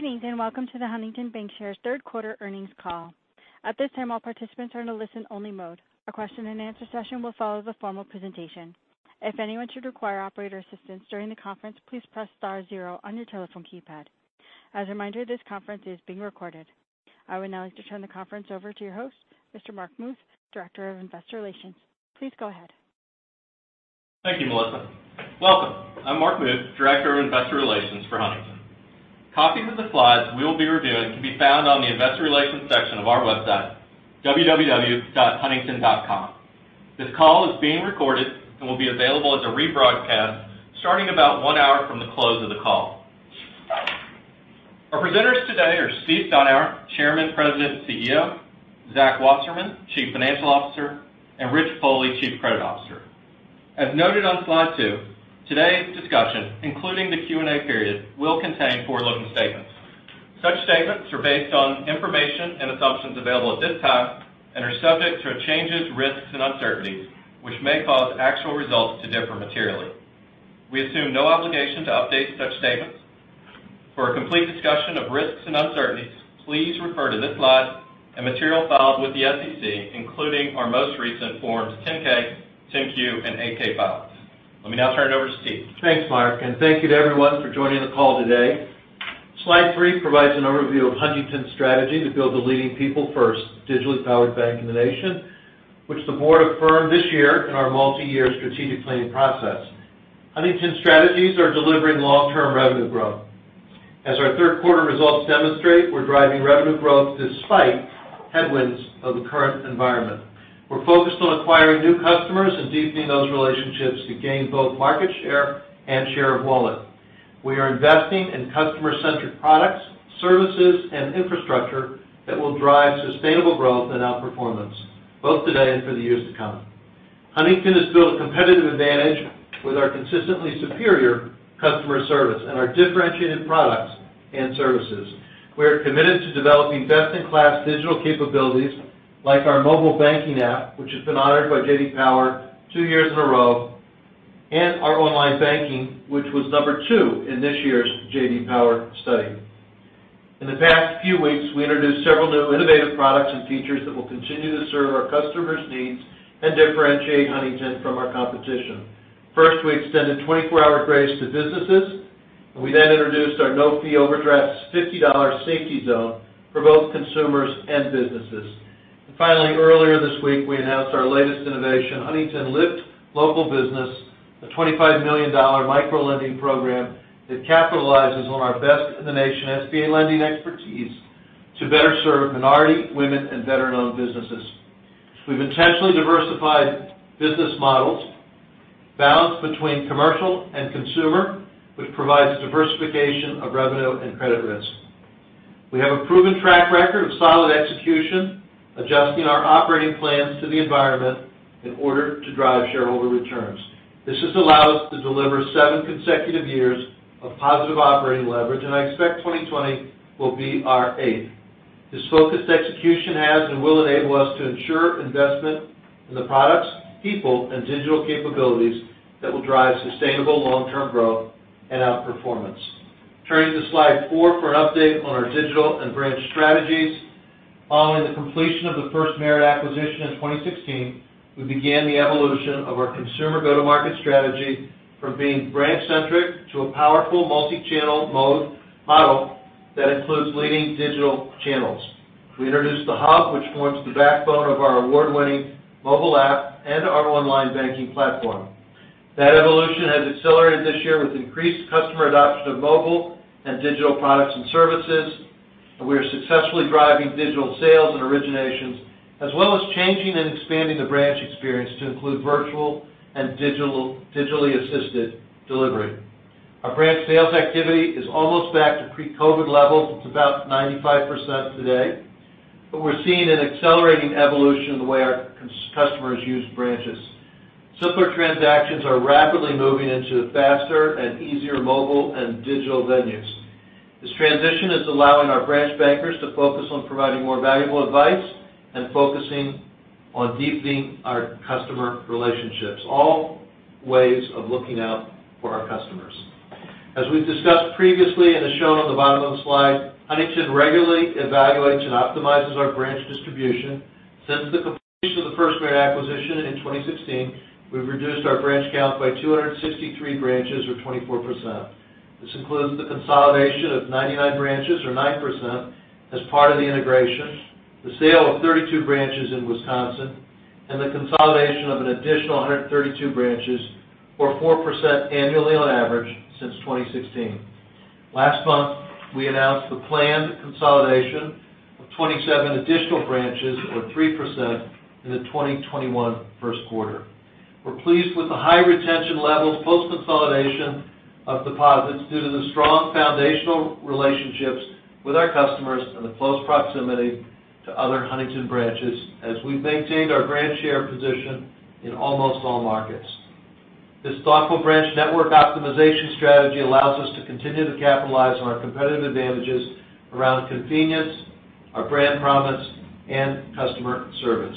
Greetings, and welcome to the Huntington Bancshares third quarter earnings call. At this time, all participants are in a listen-only mode. A question and answer session will follow the formal presentation. If anyone should require operator assistance during the conference, please press star zero on your telephone keypad. As a reminder, this conference is being recorded. I would now like to turn the conference over to your host, Mr. Mark Muth, Director of Investor Relations. Please go ahead. Thank you, Melissa. Welcome. I'm Mark Muth, Director of Investor Relations for Huntington. Copies of the slides we will be reviewing can be found on the investor relations section of our website, www.huntington.com. This call is being recorded and will be available as a rebroadcast starting about one hour from the close of the call. Our presenters today are Steph Steinour, Chairman, President, CEO; Zach Wasserman, Chief Financial Officer; and Rich Pohle, Chief Credit Officer. As noted on slide two, today's discussion, including the Q&A period, will contain forward-looking statements. Such statements are based on information and assumptions available at this time and are subject to changes, risks, and uncertainties, which may cause actual results to differ materially. We assume no obligation to update such statements. For a complete discussion of risks and uncertainties, please refer to this slide and material filed with the SEC, including our most recent Forms 10-K, 10-Q, and 8-K files. Let me now turn it over to Steph. Thanks, Mark, and thank you to everyone for joining the call today. Slide three provides an overview of Huntington's strategy to build the leading people-first digitally powered bank in the nation, which the board affirmed this year in our multi-year strategic planning process. Huntington's strategies are delivering long-term revenue growth. As our third quarter results demonstrate, we're driving revenue growth despite headwinds of the current environment. We're focused on acquiring new customers and deepening those relationships to gain both market share and share of wallet. We are investing in customer-centric products, services, and infrastructure that will drive sustainable growth and outperformance both today and for the years to come. Huntington has built a competitive advantage with our consistently superior customer service and our differentiated products and services. We are committed to developing best-in-class digital capabilities like our mobile banking app, which has been honored by J.D. Power two years in a row, our online banking, which was number two in this year's J.D. Power study. In the past few weeks, we introduced several new innovative products and features that will continue to serve our customers' needs and differentiate Huntington from our competition. First, we extended 24-Hour Grace to businesses. We introduced our no-fee overdrafts $50 Safety Zone for both consumers and businesses. Finally, earlier this week, we announced our latest innovation, Huntington Lift Local Business, a $25 million micro-lending program that capitalizes on our best-in-the-nation SBA lending expertise to better serve minority, women, and veteran-owned businesses. We've intentionally diversified business models, balanced between commercial and consumer, which provides diversification of revenue and credit risk. We have a proven track record of solid execution, adjusting our operating plans to the environment in order to drive shareholder returns. This has allowed us to deliver seven consecutive years of positive operating leverage, and I expect 2020 will be our eighth. This focused execution has and will enable us to ensure investment in the products, people, and digital capabilities that will drive sustainable long-term growth and outperformance. Turning to slide four for an update on our digital and branch strategies. Following the completion of the FirstMerit acquisition in 2016, we began the evolution of our consumer go-to-market strategy from being branch-centric to a powerful multi-channel mode model that includes leading digital channels. We introduced the hub, which forms the backbone of our award-winning mobile app and our online banking platform. That evolution has accelerated this year with increased customer adoption of mobile and digital products and services, and we are successfully driving digital sales and originations, as well as changing and expanding the branch experience to include virtual and digitally assisted delivery. Our branch sales activity is almost back to pre-COVID levels. It's about 95% today, but we're seeing an accelerating evolution in the way our customers use branches. Simpler transactions are rapidly moving into the faster and easier mobile and digital venues. This transition is allowing our branch bankers to focus on providing more valuable advice and focusing on deepening our customer relationships, all ways of looking out for our customers. As we've discussed previously and is shown on the bottom of the slide, Huntington regularly evaluates and optimizes our branch distribution. Since the completion of the FirstMerit acquisition in 2016, we've reduced our branch count by 263 branches or 24%. This includes the consolidation of 99 branches or 9% as part of the integration, the sale of 32 branches in Wisconsin, and the consolidation of an additional 132 branches or 4% annually on average since 2016. Last month, we announced the planned consolidation of 27 additional branches or 3% in the 2021 first quarter. We're pleased with the high retention levels post consolidation of deposits due to the strong foundational relationships with our customers and the close proximity to other Huntington branches as we've maintained our branch share position in almost all markets. This thoughtful branch network optimization strategy allows us to continue to capitalize on our competitive advantages around convenience, our brand promise, and customer service.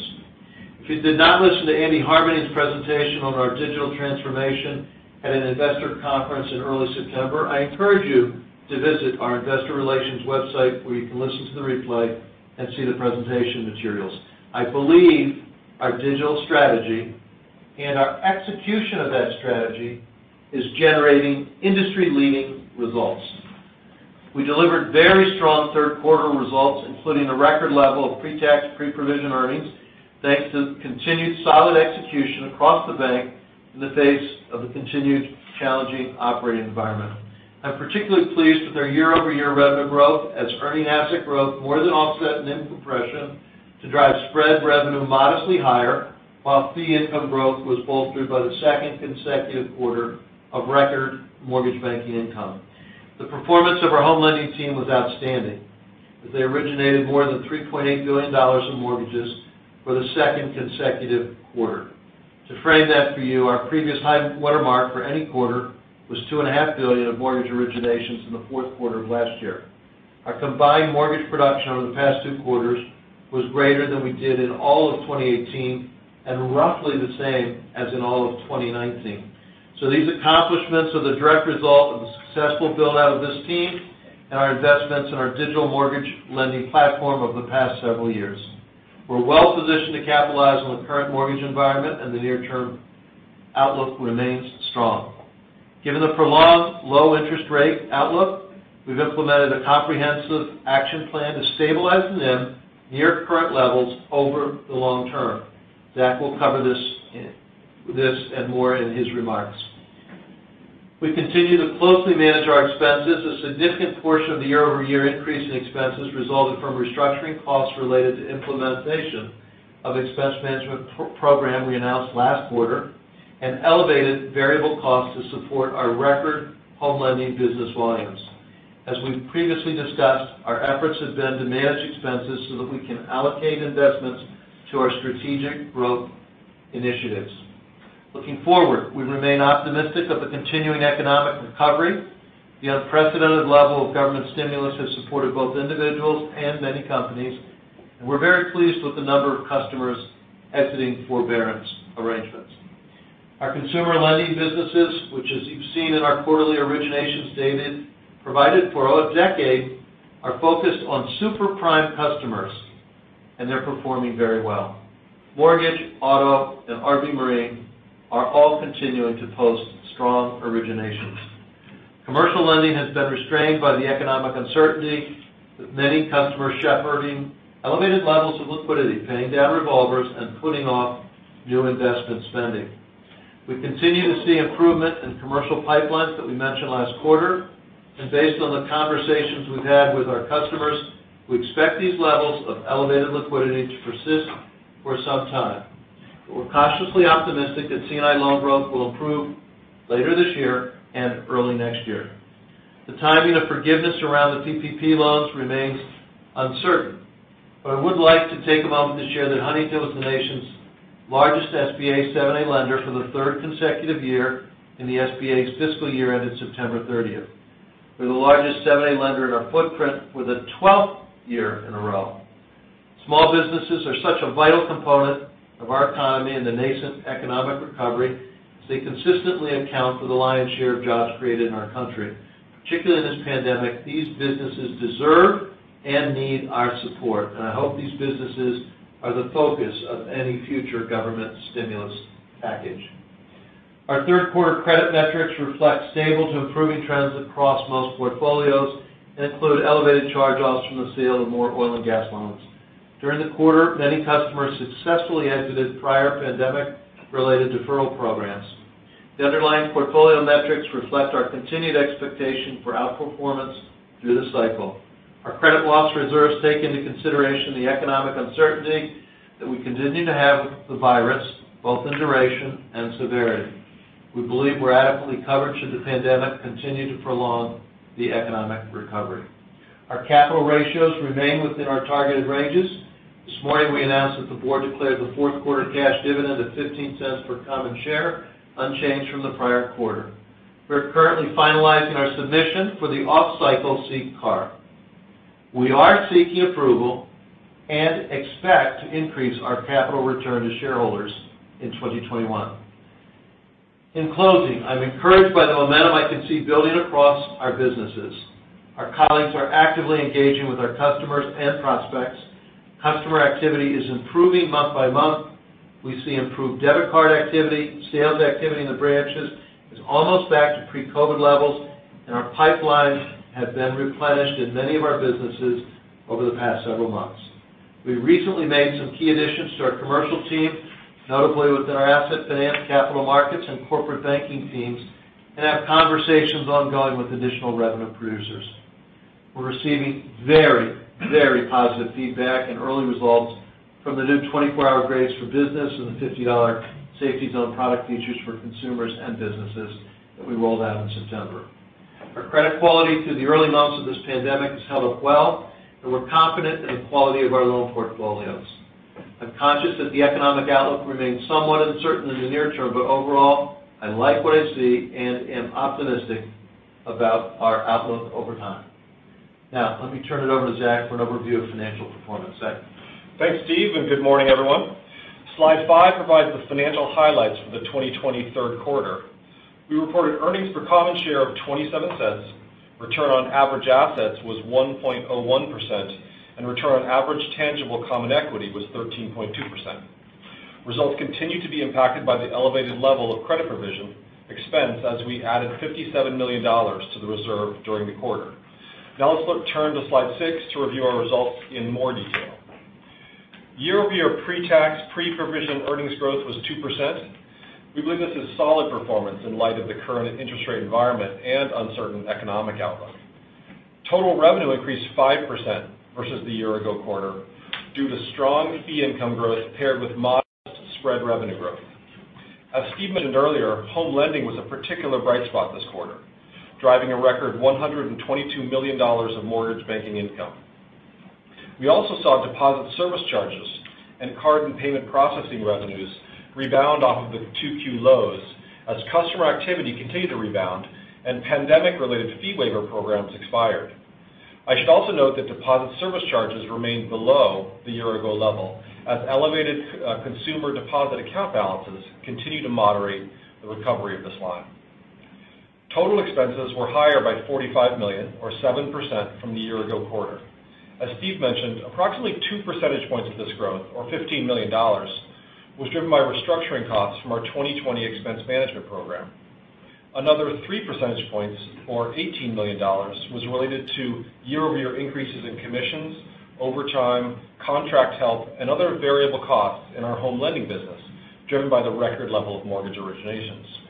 If you did not listen to Andy Harmening's presentation on our digital transformation at an investor conference in early September, I encourage you to visit our investor relations website where you can listen to the replay and see the presentation materials. I believe our digital strategy and our execution of that strategy is generating industry-leading results. We delivered very strong third quarter results, including a record level of pre-tax, pre-provision earnings, thanks to continued solid execution across the bank in the face of the continued challenging operating environment. I'm particularly pleased with our year-over-year revenue growth, as earning asset growth more than offset NIM compression to drive spread revenue modestly higher, while fee income growth was bolstered by the second consecutive quarter of record mortgage banking income. The performance of our home lending team was outstanding, as they originated more than $3.8 billion in mortgages for the second consecutive quarter. To frame that for you, our previous high watermark for any quarter was $2.5 billion of mortgage originations in the fourth quarter of last year. Our combined mortgage production over the past two quarters was greater than we did in all of 2018 and roughly the same as in all of 2019. These accomplishments are the direct result of the successful build out of this team and our investments in our digital mortgage lending platform over the past several years. We're well positioned to capitalize on the current mortgage environment, and the near-term outlook remains strong. Given the prolonged low interest rate outlook, we've implemented a comprehensive action plan to stabilize NIM near current levels over the long term. Zach will cover this and more in his remarks. We continue to closely manage our expenses. A significant portion of the year-over-year increase in expenses resulted from restructuring costs related to implementation of expense management program we announced last quarter, and elevated variable costs to support our record home lending business volumes. We've previously discussed, our efforts have been to manage expenses so that we can allocate investments to our strategic growth initiatives. Looking forward, we remain optimistic of a continuing economic recovery. The unprecedented level of government stimulus has supported both individuals and many companies, and we're very pleased with the number of customers exiting forbearance arrangements. Our consumer lending businesses, which as you've seen in our quarterly originations data provided for a decade, are focused on super prime customers, and they're performing very well. Mortgage, auto, and RV/marine are all continuing to post strong originations. Commercial lending has been restrained by the economic uncertainty, with many customers shepherding elevated levels of liquidity, paying down revolvers, and putting off new investment spending. Based on the conversations we've had with our customers, we expect these levels of elevated liquidity to persist for some time. We're cautiously optimistic that C&I loan growth will improve later this year and early next year. The timing of forgiveness around the PPP loans remains uncertain. I would like to take a moment to share that Huntington was the nation's largest SBA 7(a) lender for the third consecutive year in the SBA's fiscal year ended September 30th. We're the largest 7(a) lender in our footprint for the 12th year in a row. Small businesses are such a vital component of our economy and the nascent economic recovery, as they consistently account for the lion's share of jobs created in our country. Particularly in this pandemic, these businesses deserve and need our support, and I hope these businesses are the focus of any future government stimulus package. Our third quarter credit metrics reflect stable to improving trends across most portfolios, and include elevated charge-offs from the sale of more oil and gas loans. During the quarter, many customers successfully exited prior pandemic related deferral programs. The underlying portfolio metrics reflect our continued expectation for outperformance through the cycle. Our credit loss reserves take into consideration the economic uncertainty that we continue to have with the virus, both in duration and severity. We believe we're adequately covered should the pandemic continue to prolong the economic recovery. Our capital ratios remain within our targeted ranges. This morning, we announced that the board declared the fourth quarter cash dividend of $0.15 per common share, unchanged from the prior quarter. We're currently finalizing our submission for the off-cycle CCAR. We are seeking approval and expect to increase our capital return to shareholders in 2021. In closing, I'm encouraged by the momentum I can see building across our businesses. Our colleagues are actively engaging with our customers and prospects. Customer activity is improving month by month. We see improved debit card activity. Sales activity in the branches is almost back to pre-COVID levels, and our pipelines have been replenished in many of our businesses over the past several months. We recently made some key additions to the commercial team, notably within our asset finance, capital markets, and corporate banking teams, and have conversations ongoing with additional revenue producers. We're receiving very positive feedback and early results from the new 24-Hour Grace for business and the $50 Safety Zone product features for consumers and businesses that we rolled out in September. Our credit quality through the early months of this pandemic has held up well, and we're confident in the quality of our loan portfolios. I'm conscious that the economic outlook remains somewhat uncertain in the near term, but overall, I like what I see and am optimistic about our outlook over time. Let me turn it over to Zach for an overview of financial performance. Zach? Thanks, Steph, and good morning, everyone. Slide five provides the financial highlights for the 2020 third quarter. We reported earnings per common share of $0.27, return on average assets was 1.01%, and return on average tangible common equity was 13.2%. Results continue to be impacted by the elevated level of credit provision expense as we added $57 million to the reserve during the quarter. Now let's turn to slide six to review our results in more detail. Year-over-year pre-tax, pre-provision earnings growth was 2%. We believe this is solid performance in light of the current interest rate environment and uncertain economic outlook. Total revenue increased 5% versus the year ago quarter due to strong fee income growth paired with modest spread revenue growth. As Stephen mentioned earlier, home lending was a particular bright spot this quarter, driving a record $122 million of mortgage banking income. We also saw deposit service charges and card and payment processing revenues rebound off of the 2Q lows as customer activity continued to rebound and pandemic-related fee waiver programs expired. I should also note that deposit service charges remained below the year ago level as elevated consumer deposit account balances continue to moderate the recovery of this line. Total expenses were higher by $45 million or 7% from the year ago quarter. As Steve mentioned, approximately two % points of this growth or $15 million was driven by restructuring costs from our 2020 expense management program. Another three % points or $18 million was related to year-over-year increases in commissions, overtime, contract help, and other variable costs in our home lending business, driven by the record level of mortgage originations.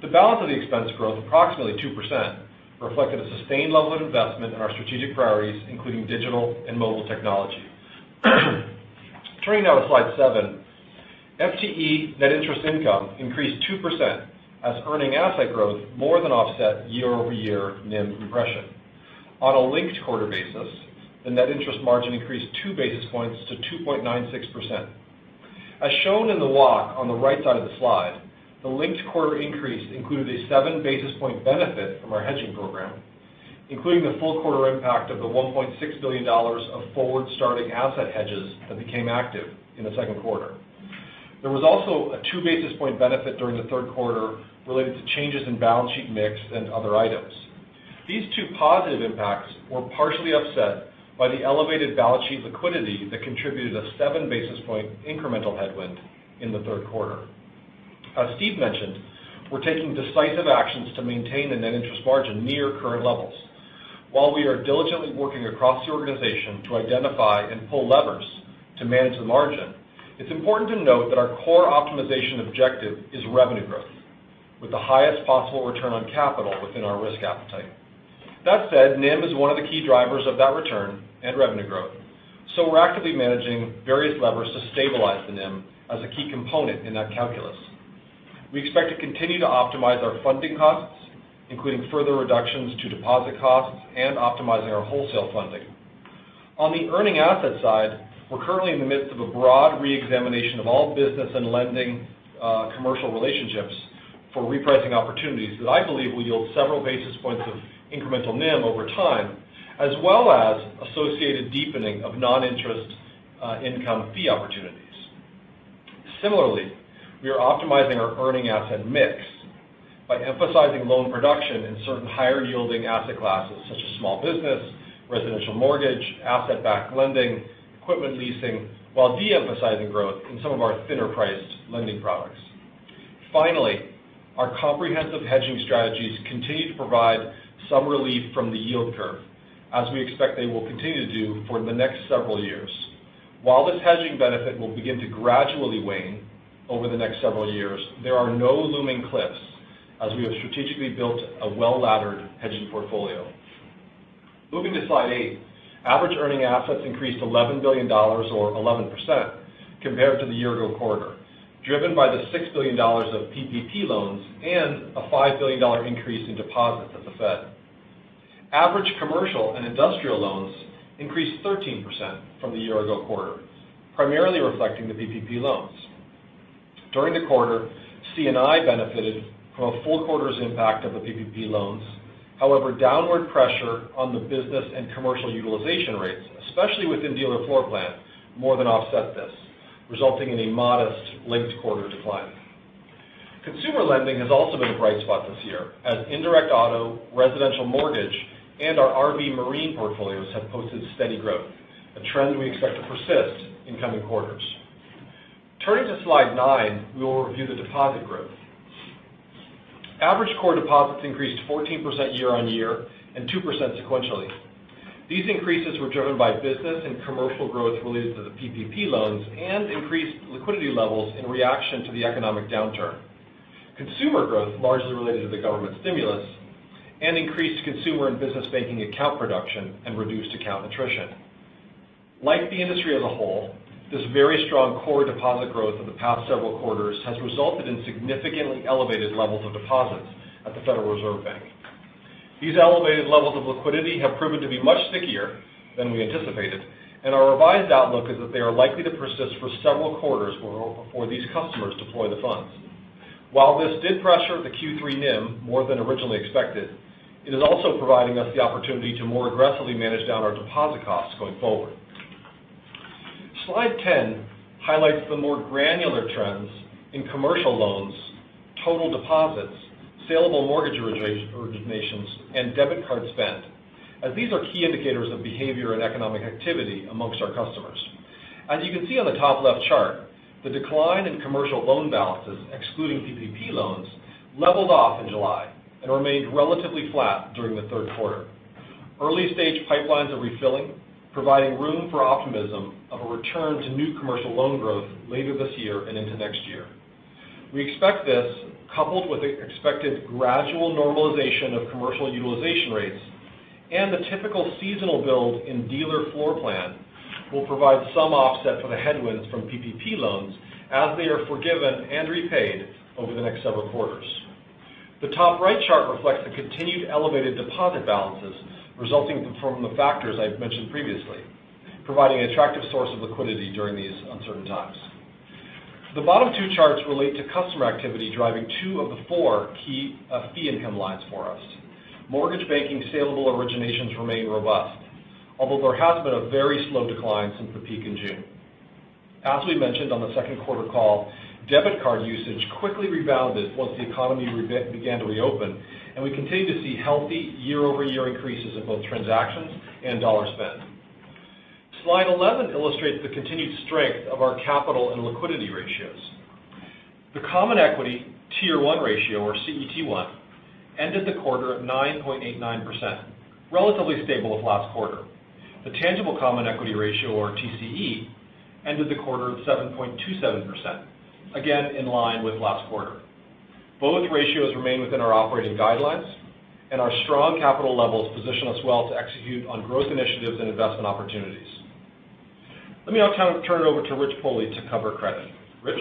The balance of the expense growth, approximately 2%, reflected a sustained level of investment in our strategic priorities, including digital and mobile technology. Turning now to slide seven, FTE net interest income increased 2% as earning asset growth more than offset year-over-year NIM compression. On a linked quarter basis, the net interest margin increased two basis points to 2.96%. As shown in the walk on the right side of the slide, the linked quarter increase included a seven basis point benefit from our hedging program, including the full quarter impact of the $1.6 billion of forward starting asset hedges that became active in the second quarter. There was also a two basis point benefit during the third quarter related to changes in balance sheet mix and other items. These two positive impacts were partially offset by the elevated balance sheet liquidity that contributed a seven basis point incremental headwind in the third quarter. As Steve mentioned, we're taking decisive actions to maintain a net interest margin near current levels. We are diligently working across the organization to identify and pull levers to manage the margin, it's important to note that our core optimization objective is revenue growth with the highest possible return on capital within our risk appetite. That said, NIM is one of the key drivers of that return and revenue growth. We're actively managing various levers to stabilize the NIM as a key component in that calculus. We expect to continue to optimize our funding costs, including further reductions to deposit costs and optimizing our wholesale funding. On the earning asset side, we're currently in the midst of a broad re-examination of all business and lending commercial relationships for repricing opportunities that I believe will yield several basis points of incremental NIM over time, as well as associated deepening of non-interest income fee opportunities. Similarly, we are optimizing our earning asset mix by emphasizing loan production in certain higher yielding asset classes such as small business, residential mortgage, asset-backed lending, equipment leasing, while de-emphasizing growth in some of our thinner priced lending products. Our comprehensive hedging strategies continue to provide some relief from the yield curve as we expect they will continue to do for the next several years. This hedging benefit will begin to gradually wane over the next several years, there are no looming cliffs as we have strategically built a well-laddered hedging portfolio. Moving to slide eight, average earning assets increased $11 billion or 11% compared to the year-over-year quarter, driven by the $6 billion of PPP loans and a $5 billion increase in deposits at the Fed. Average commercial and industrial loans increased 13% from the year-over-year quarter, primarily reflecting the PPP loans. During the quarter, C&I benefited from a full quarter's impact of the PPP loans. However, downward pressure on the business and commercial utilization rates, especially within dealer floor plan, more than offset this, resulting in a modest linked quarter decline. Consumer lending has also been a bright spot this year as indirect auto, residential mortgage, and our RV marine portfolios have posted steady growth, a trend we expect to persist in coming quarters. Turning to slide nine, we will review the deposit growth. Average core deposits increased 14% year-over-year and 2% sequentially. These increases were driven by business and commercial growth related to the PPP loans and increased liquidity levels in reaction to the economic downturn. Consumer growth largely related to the government stimulus and increased consumer and business banking account production and reduced account attrition. Like the industry as a whole, this very strong core deposit growth of the past several quarters has resulted in significantly elevated levels of deposits at the Federal Reserve Bank. These elevated levels of liquidity have proven to be much stickier than we anticipated, and our revised outlook is that they are likely to persist for several quarters before these customers deploy the funds. While this did pressure the Q3 NIM more than originally expected, it is also providing us the opportunity to more aggressively manage down our deposit costs going forward. Slide 10 highlights the more granular trends in commercial loans, total deposits, saleable mortgage originations, and debit card spend, as these are key indicators of behavior and economic activity amongst our customers. As you can see on the top left chart, the decline in commercial loan balances, excluding PPP loans, leveled off in July and remained relatively flat during the third quarter. Early stage pipelines are refilling, providing room for optimism of a return to new commercial loan growth later this year and into next year. We expect this, coupled with expected gradual normalization of commercial utilization rates and the typical seasonal build in dealer floor plan, will provide some offset for the headwinds from PPP loans as they are forgiven and repaid over the next several quarters. The top right chart reflects the continued elevated deposit balances resulting from the factors I've mentioned previously, providing an attractive source of liquidity during these uncertain times. The bottom two charts relate to customer activity driving two of the four key fee income lines for us. Mortgage banking saleable originations remain robust. Although there has been a very slow decline since the peak in June. As we mentioned on the second quarter call, debit card usage quickly rebounded once the economy began to reopen, and we continue to see healthy year-over-year increases in both transactions and dollar spend. Slide 11 illustrates the continued strength of our capital and liquidity ratios. The common equity tier one ratio, or CET1, ended the quarter at 9.89%, relatively stable with last quarter. The tangible common equity ratio, or TCE, ended the quarter at 7.27%, again in line with last quarter. Both ratios remain within our operating guidelines, and our strong capital levels position us well to execute on growth initiatives and investment opportunities. Let me now turn it over to Rich Pohle to cover credit. Rich?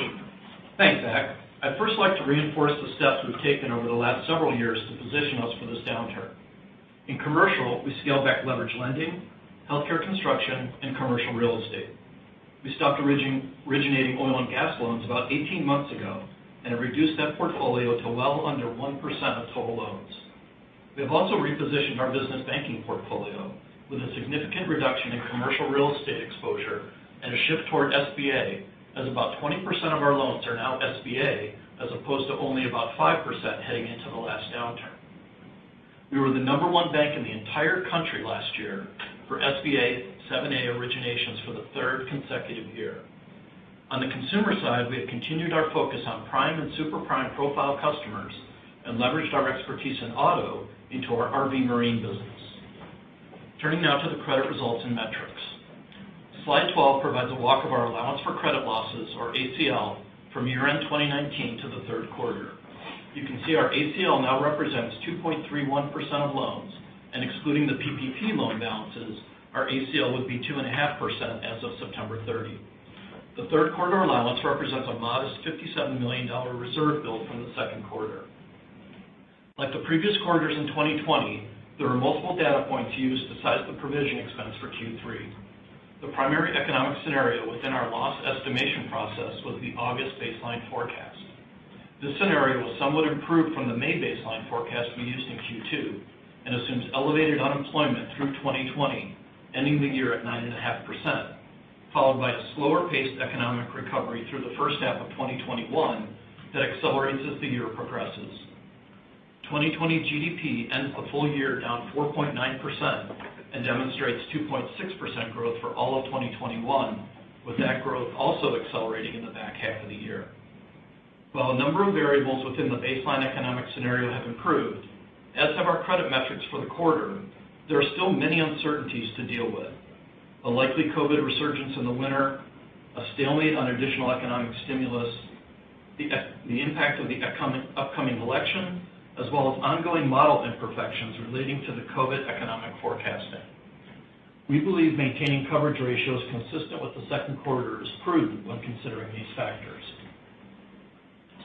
Thanks, Zach. I'd first like to reinforce the steps we've taken over the last several years to position us for this downturn. In commercial, we scaled back leverage lending, healthcare construction, and commercial real estate. We stopped originating oil and gas loans about 18 months ago and have reduced that portfolio to well under 1% of total loans. We have also repositioned our business banking portfolio with a significant reduction in commercial real estate exposure and a shift toward SBA, as about 20% of our loans are now SBA, as opposed to only about 5% heading into the last downturn. We were the number one bank in the entire country last year for SBA 7 originations for the third consecutive year. On the consumer side, we have continued our focus on prime and super prime profile customers and leveraged our expertise in auto into our RV marine business. Turning now to the credit results and metrics. Slide 12 provides a walk of our allowance for credit losses, or ACL, from year-end 2019 to the third quarter. You can see our ACL now represents 2.31% of loans, and excluding the PPP loan balances, our ACL would be 2.5% as of September 30. The third quarter allowance represents a modest $57 million reserve build from the second quarter. Like the previous quarters in 2020, there were multiple data points used to size the provision expense for Q3. The primary economic scenario within our loss estimation process was the August baseline forecast. This scenario was somewhat improved from the May baseline forecast we used in Q2 and assumes elevated unemployment through 2020, ending the year at 9.5%, followed by a slower paced economic recovery through the first half of 2021 that accelerates as the year progresses. 2020 GDP ends a full year down 4.9% and demonstrates 2.6% growth for all of 2021, with that growth also accelerating in the back half of the year. While a number of variables within the baseline economic scenario have improved, as have our credit metrics for the quarter, there are still many uncertainties to deal with. A likely COVID resurgence in the winter, a stalemate on additional economic stimulus, the impact of the upcoming election, as well as ongoing model imperfections relating to the COVID economic forecasting. We believe maintaining coverage ratios consistent with the second quarter is prudent when considering these factors.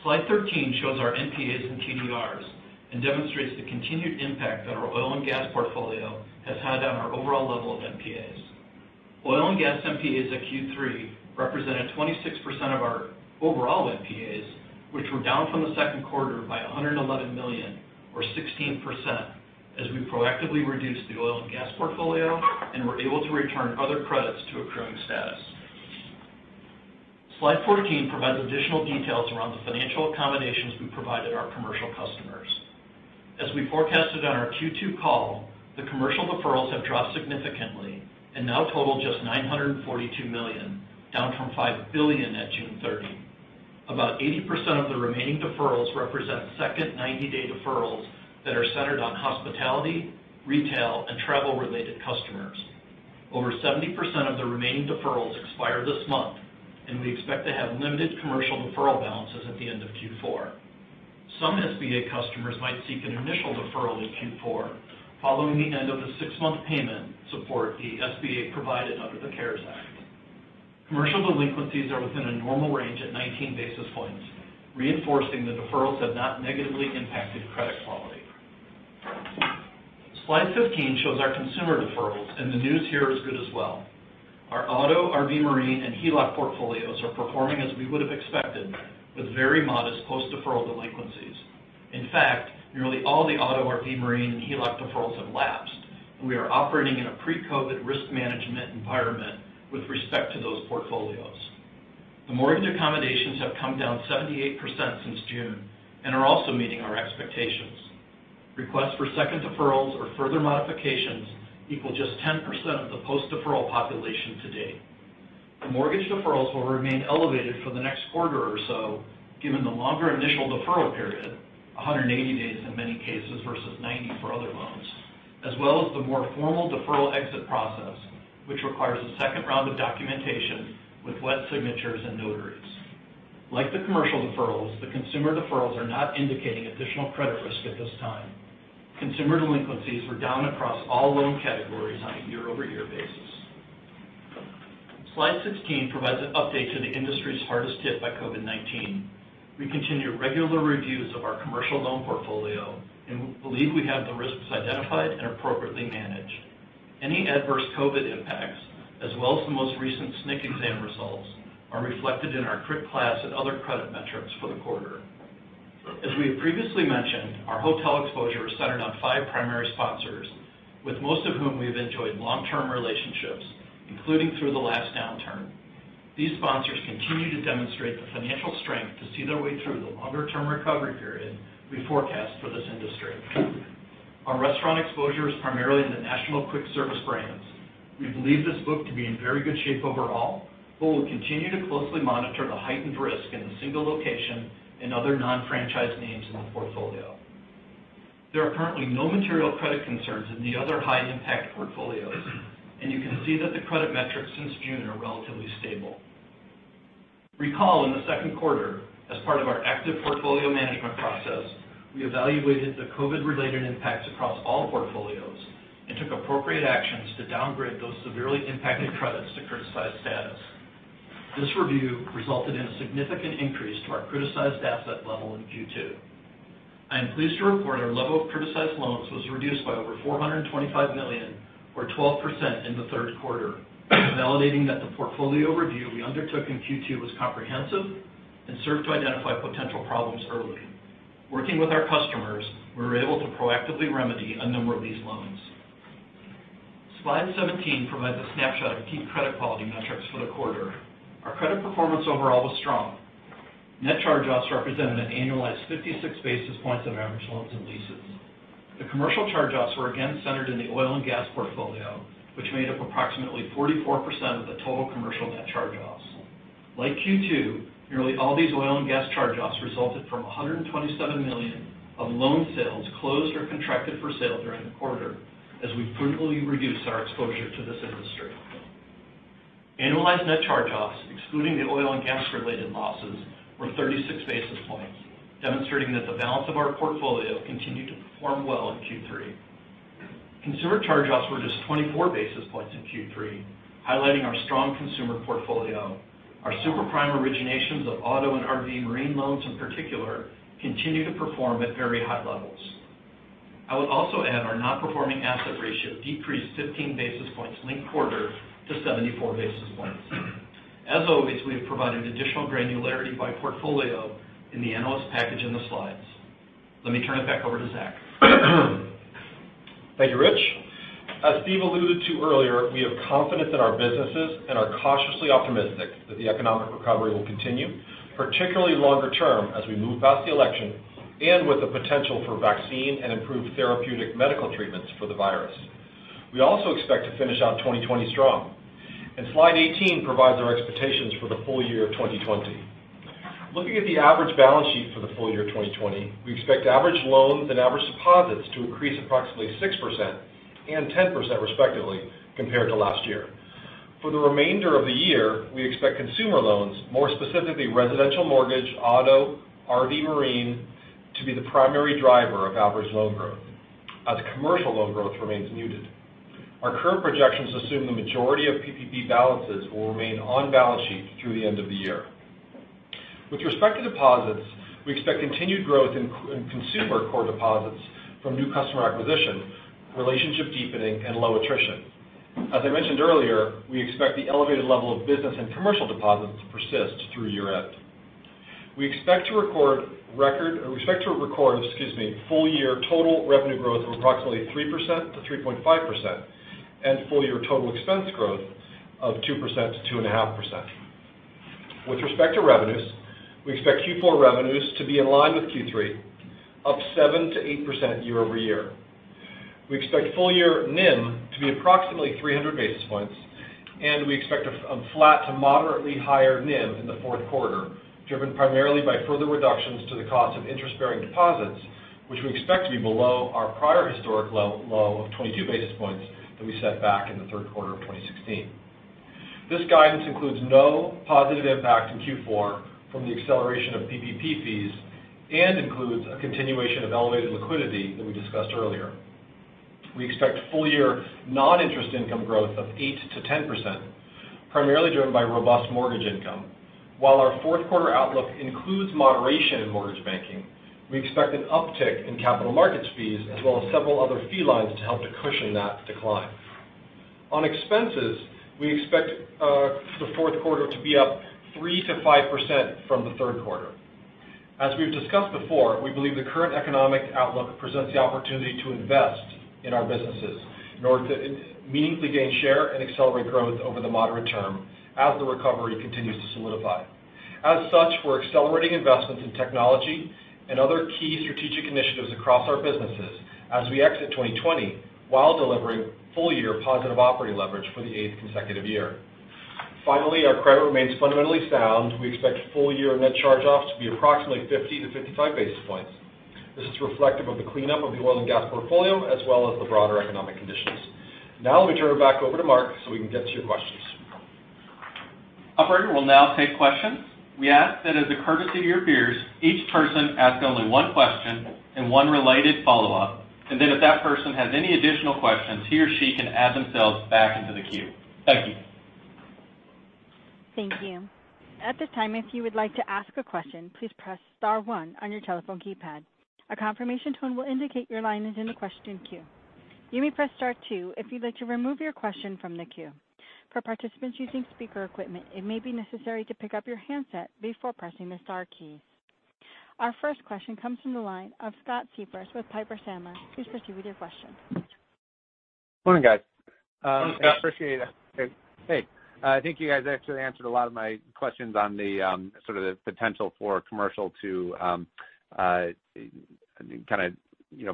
Slide 13 shows our NPAs and TDRs and demonstrates the continued impact that our oil and gas portfolio has had on our overall level of NPAs. Oil and gas NPAs at Q3 represented 26% of our overall NPAs, which were down from the second quarter by $111 million, or 16%, as we proactively reduced the oil and gas portfolio and were able to return other credits to accruing status. Slide 14 provides additional details around the financial accommodations we provided our commercial customers. As we forecasted on our Q2 call, the commercial deferrals have dropped significantly and now total just $942 million, down from $5 billion at June 30. About 80% of the remaining deferrals represent second 90-day deferrals that are centered on hospitality, retail, and travel-related customers. Over 70% of the remaining deferrals expire this month, and we expect to have limited commercial deferral balances at the end of Q4. Some SBA customers might seek an initial deferral in Q4 following the end of the six-month payment support the SBA provided under the CARES Act. Commercial delinquencies are within a normal range at 19 basis points, reinforcing that deferrals have not negatively impacted credit quality. Slide 15 shows our consumer deferrals. The news here is good as well. Our auto, RV/marine, and HELOC portfolios are performing as we would've expected with very modest post-deferral delinquencies. In fact, nearly all the auto, RV/marine, and HELOC deferrals have lapsed, and we are operating in a pre-COVID risk management environment with respect to those portfolios. The mortgage accommodations have come down 78% since June and are also meeting our expectations. Requests for second deferrals or further modifications equal just 10% of the post-deferral population to date. The mortgage deferrals will remain elevated for the next quarter or so given the longer initial deferral period, 180 days in many cases versus 90 for other loans, as well as the more formal deferral exit process, which requires a second round of documentation with wet signatures and notaries. Like the commercial deferrals, the consumer deferrals are not indicating additional credit risk at this time. Consumer delinquencies were down across all loan categories on a year-over-year basis. Slide 16 provides an update to the industries hardest hit by COVID-19. We continue regular reviews of our commercial loan portfolio and believe we have the risks identified and appropriately managed. Any adverse COVID impacts, as well as the most recent SNC exam results, are reflected in our crit class and other credit metrics for the quarter. As we have previously mentioned, our hotel exposure is centered on five primary sponsors, with most of whom we have enjoyed long-term relationships, including through the last downturn. These sponsors continue to demonstrate the financial strength to see their way through the longer-term recovery period we forecast for this industry. Our restaurant exposure is primarily in the national quick service brands. We believe this book to be in very good shape overall, but we'll continue to closely monitor the heightened risk in the single location and other non-franchise names in the portfolio. There are currently no material credit concerns in the other high impact portfolios. You can see that the credit metrics since June are relatively stable. Recall in the second quarter, as part of our active portfolio management process, we evaluated the COVID-related impacts across all portfolios and took appropriate actions to downgrade those severely impacted credits to criticized status. This review resulted in a significant increase to our criticized asset level in Q2. I am pleased to report our level of criticized loans was reduced by over $425 million, or 12%, in the third quarter, validating that the portfolio review we undertook in Q2 was comprehensive and served to identify potential problems early. Working with our customers, we were able to proactively remedy a number of these loans. Slide 17 provides a snapshot of key credit quality metrics for the quarter. Our credit performance overall was strong. Net charge-offs represented an annualized 56 basis points of average loans and leases. The commercial charge-offs were again centered in the oil and gas portfolio, which made up approximately 44% of the total commercial net charge-offs. Like Q2, nearly all these oil and gas charge-offs resulted from $127 million of loan sales closed or contracted for sale during the quarter as we prudently reduce our exposure to this industry. Annualized net charge-offs, excluding the oil and gas-related losses, were 36 basis points, demonstrating that the balance of our portfolio continued to perform well in Q3. Consumer charge-offs were just 24 basis points in Q3, highlighting our strong consumer portfolio. Our super prime originations of auto and RV/marine loans in particular continue to perform at very high levels. I would also add our non-performing asset ratio decreased 15 basis points linked quarter to 74 basis points. As always, we have provided additional granularity by portfolio in the analyst package in the slides. Let me turn it back over to Zach. Thank you, Rich. As Steph alluded to earlier, we have confidence in our businesses and are cautiously optimistic that the economic recovery will continue, particularly longer term as we move past the election, and with the potential for vaccine and improved therapeutic medical treatments for the virus. We also expect to finish out 2020 strong. Slide 18 provides our expectations for the full year of 2020. Looking at the average balance sheet for the full year 2020, we expect average loans and average deposits to increase approximately 6% and 10%, respectively, compared to last year. For the remainder of the year, we expect consumer loans, more specifically residential mortgage, auto, RV/marine, to be the primary driver of average loan growth as commercial loan growth remains muted. Our current projections assume the majority of PPP balances will remain on balance sheet through the end of the year. With respect to deposits, we expect continued growth in consumer core deposits from new customer acquisition, relationship deepening, and low attrition. As I mentioned earlier, we expect the elevated level of business and commercial deposits to persist through year end. We expect to record, excuse me, full-year total revenue growth of approximately 3%-3.5% and full-year total expense growth of 2%-2.5%. With respect to revenues, we expect Q4 revenues to be in line with Q3, up 7%-8% year-over-year. We expect full year NIM to be approximately 300 basis points, and we expect a flat to moderately higher NIM in the fourth quarter, driven primarily by further reductions to the cost of interest-bearing deposits, which we expect to be below our prior historic low of 22 basis points that we set back in the third quarter of 2016. This guidance includes no positive impact in Q4 from the acceleration of PPP fees and includes a continuation of elevated liquidity that we discussed earlier. We expect full-year non-interest income growth of 8%-10%. Primarily driven by robust mortgage income. While our fourth quarter outlook includes moderation in mortgage banking, we expect an uptick in capital markets fees as well as several other fee lines to help to cushion that decline. On expenses, we expect the fourth quarter to be up 3%-5% from the third quarter. As we've discussed before, we believe the current economic outlook presents the opportunity to invest in our businesses in order to meaningfully gain share and accelerate growth over the moderate term as the recovery continues to solidify. We're accelerating investments in technology and other key strategic initiatives across our businesses as we exit 2020, while delivering full-year positive operating leverage for the eighth consecutive year. Our credit remains fundamentally sound. We expect full-year net charge-offs to be approximately 50-55 basis points. This is reflective of the cleanup of the oil and gas portfolio as well as the broader economic conditions. Let me turn it back over to Mark so we can get to your questions. Operator, we'll now take questions. We ask that as a courtesy to your peers, each person ask only one question and one related follow-up, and then if that person has any additional questions, he or she can add themselves back into the queue. Thank you. Thank you. At the time, if you would like to ask a question, please press star one on your telephone keypad. A confirmation tone will indicate your line is in the question queue. You may press star two if you'd like to remove your questions from the queue. For participants using speaker equipment, it may be necessary to pick up your handset before pressinh the star key. Our first question comes from the line of Scott Siefers with Piper Sandler. Please proceed with your question. Morning, guys. Morning, Scott. I appreciate it. Hey. I think you guys actually answered a lot of my questions on the potential for commercial to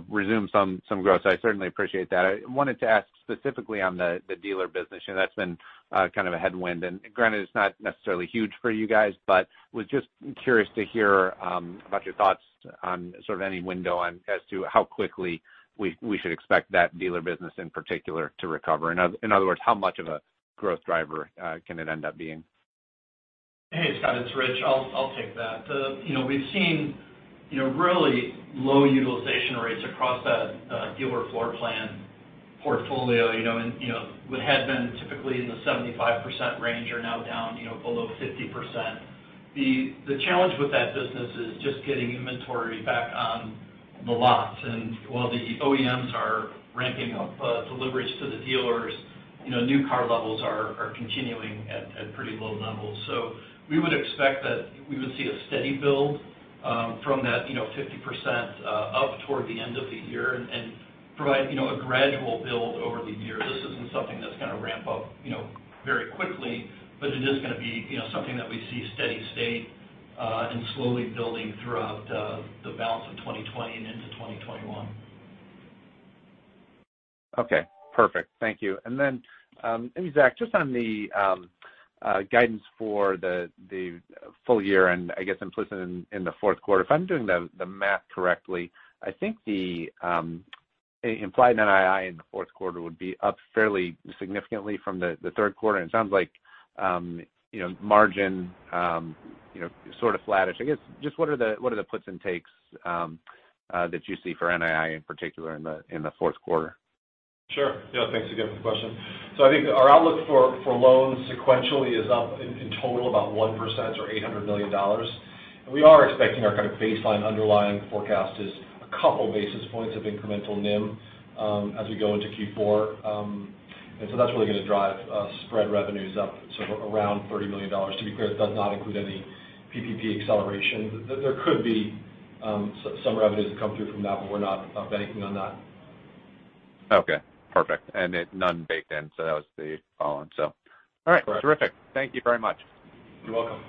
resume some growth. I certainly appreciate that. I wanted to ask specifically on the dealer business. That's been kind of a headwind, and granted, it's not necessarily huge for you guys, but was just curious to hear about your thoughts on any window as to how quickly we should expect that dealer business in particular to recover. In other words, how much of a growth driver can it end up being? Hey, Scott. It's Rich. I'll take that. We've seen really low utilization rates across that dealer floor plan portfolio. What had been typically in the 75% range are now down below 50%. The challenge with that business is just getting inventory back on the lot. While the OEMs are ramping up deliveries to the dealers, new car levels are continuing at pretty low levels. We would expect that we would see a steady build from that 50% up toward the end of the year and provide a gradual build over the year. This isn't something that's going to ramp up very quickly, but it is going to be something that we see steady state and slowly building throughout the balance of 2020 and into 2021. Okay. Perfect. Thank you. Maybe Zach, just on the guidance for the full year and I guess implicit in the fourth quarter. If I'm doing the math correctly, I think the implied NII in the fourth quarter would be up fairly significantly from the third quarter, and it sounds like margin is sort of flattish. I guess, just what are the puts and takes that you see for NII in particular in the fourth quarter? Sure. Yeah, thanks again for the question. I think our outlook for loans sequentially is up in total about 1% or $800 million. We are expecting our kind of baseline underlying forecast is a couple basis points of incremental NIM as we go into Q4. That's really going to drive spread revenues up around $30 million. To be clear, that does not include any PPP acceleration. There could be some revenues that come through from that, but we're not banking on that. Okay. Perfect. None baked in, so that was the follow on. All right. Terrific. Thank you very much. You're welcome.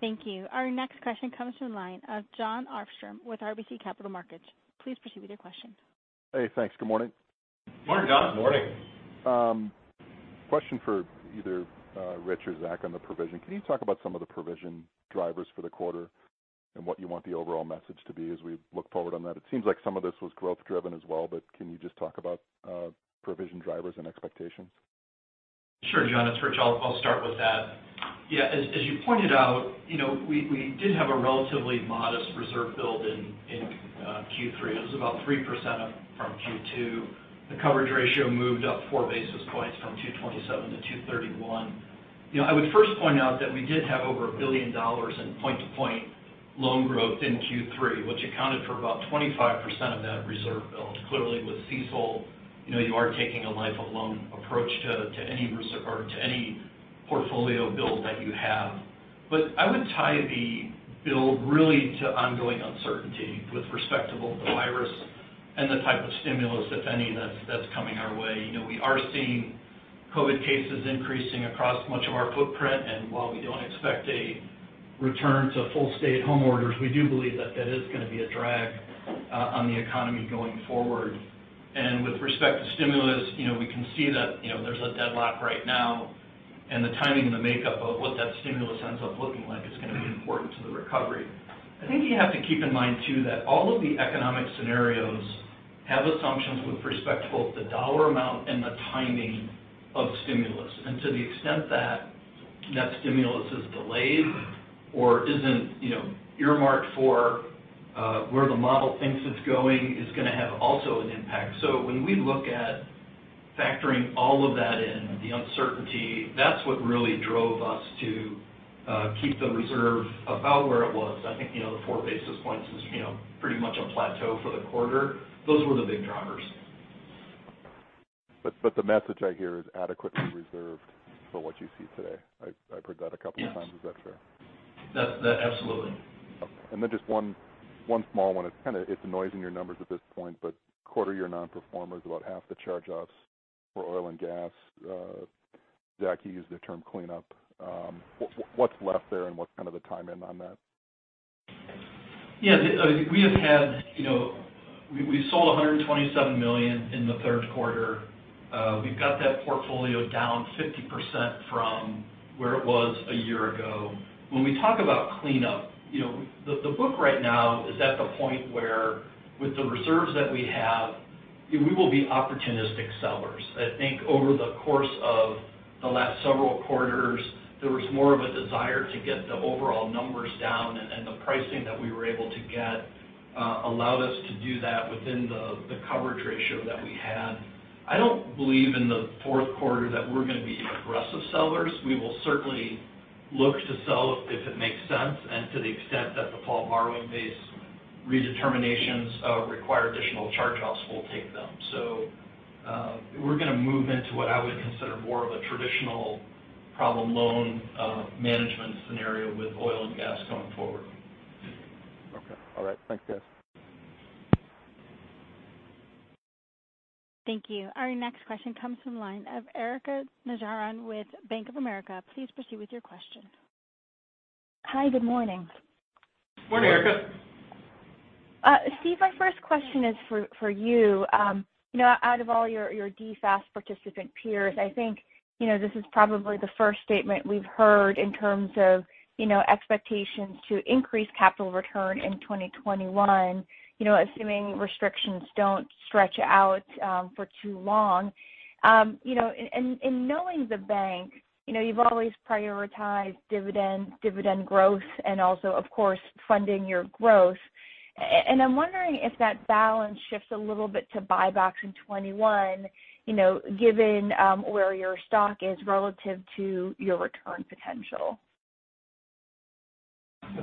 Thank you. Our next question comes from the line of John Arfstrom with RBC Capital Markets. Please proceed with your question. Hey, thanks. Good morning. Morning, John. Morning. Question for either Rich or Zach on the provision. Can you talk about some of the provision drivers for the quarter and what you want the overall message to be as we look forward on that? It seems like some of this was growth driven as well, but can you just talk about provision drivers and expectations? Sure, John. It's Rich. I'll start with that. Yeah. As you pointed out, we did have a relatively modest reserve build in Q3. It was about 3% up from Q2. The coverage ratio moved up four basis points from 227 to 231. I would first point out that we did have over $1 billion in point-to-point loan growth in Q3, which accounted for about 25% of that reserve build. Clearly with CECL, you are taking a life of loan approach to any portfolio build that you have. I would tie the build really to ongoing uncertainty with respect to both the virus and the type of stimulus, if any, that's coming our way. We are seeing COVID cases increasing across much of our footprint, and while we don't expect a return to full stay-at-home orders, we do believe that is going to be a drag on the economy going forward. With respect to stimulus, we can see that there's a deadlock right now, and the timing and the makeup of what that stimulus ends up looking like is going to be important to the recovery. I think you have to keep in mind too that all of the economic scenarios have assumptions with respect to both the dollar amount and the timing of stimulus. To the extent that stimulus is delayed or isn't earmarked for where the model thinks it's going is going to have also an impact. When we look at factoring all of that in, the uncertainty, that's what really drove us to keep the reserve about where it was. I think, the four basis points is pretty much on plateau for the quarter. Those were the big drivers. The message I hear is adequately reserved for what you see today. I've heard that a couple of times. Yes. Is that fair? Absolutely. Okay. Just one small one. It's noise in your numbers at this point, quarter-end nonperformers, about half the charge-offs for oil and gas. Zach, you used the term cleanup. What's left there and what's the time end on that? Yeah. We sold $127 million in the third quarter. We've got that portfolio down 50% from where it was a year ago. When we talk about cleanup, the book right now is at the point where with the reserves that we have, we will be opportunistic sellers. I think over the course of the last several quarters, there was more of a desire to get the overall numbers down, and the pricing that we were able to get allowed us to do that within the coverage ratio that we had. I don't believe in the fourth quarter that we're going to be aggressive sellers. We will certainly look to sell if it makes sense and to the extent that the fall borrowing base redeterminations require additional charge-offs, we'll take them. We're going to move into what I would consider more of a traditional problem loan management scenario with oil and gas going forward. Okay. All right. Thanks, guys. Thank you. Our next question comes from line of Erika Najarian with Bank of America. Please proceed with your question. Hi, good morning. Morning, Erika. Steph, my first question is for you. Out of all your DFAST participant peers, I think, this is probably the first statement we've heard in terms of expectations to increase capital return in 2021, assuming restrictions don't stretch out for too long. In knowing the bank, you've always prioritized dividends, dividend growth, and also, of course, funding your growth. I'm wondering if that balance shifts a little bit to buybacks in 2021, given where your stock is relative to your return potential.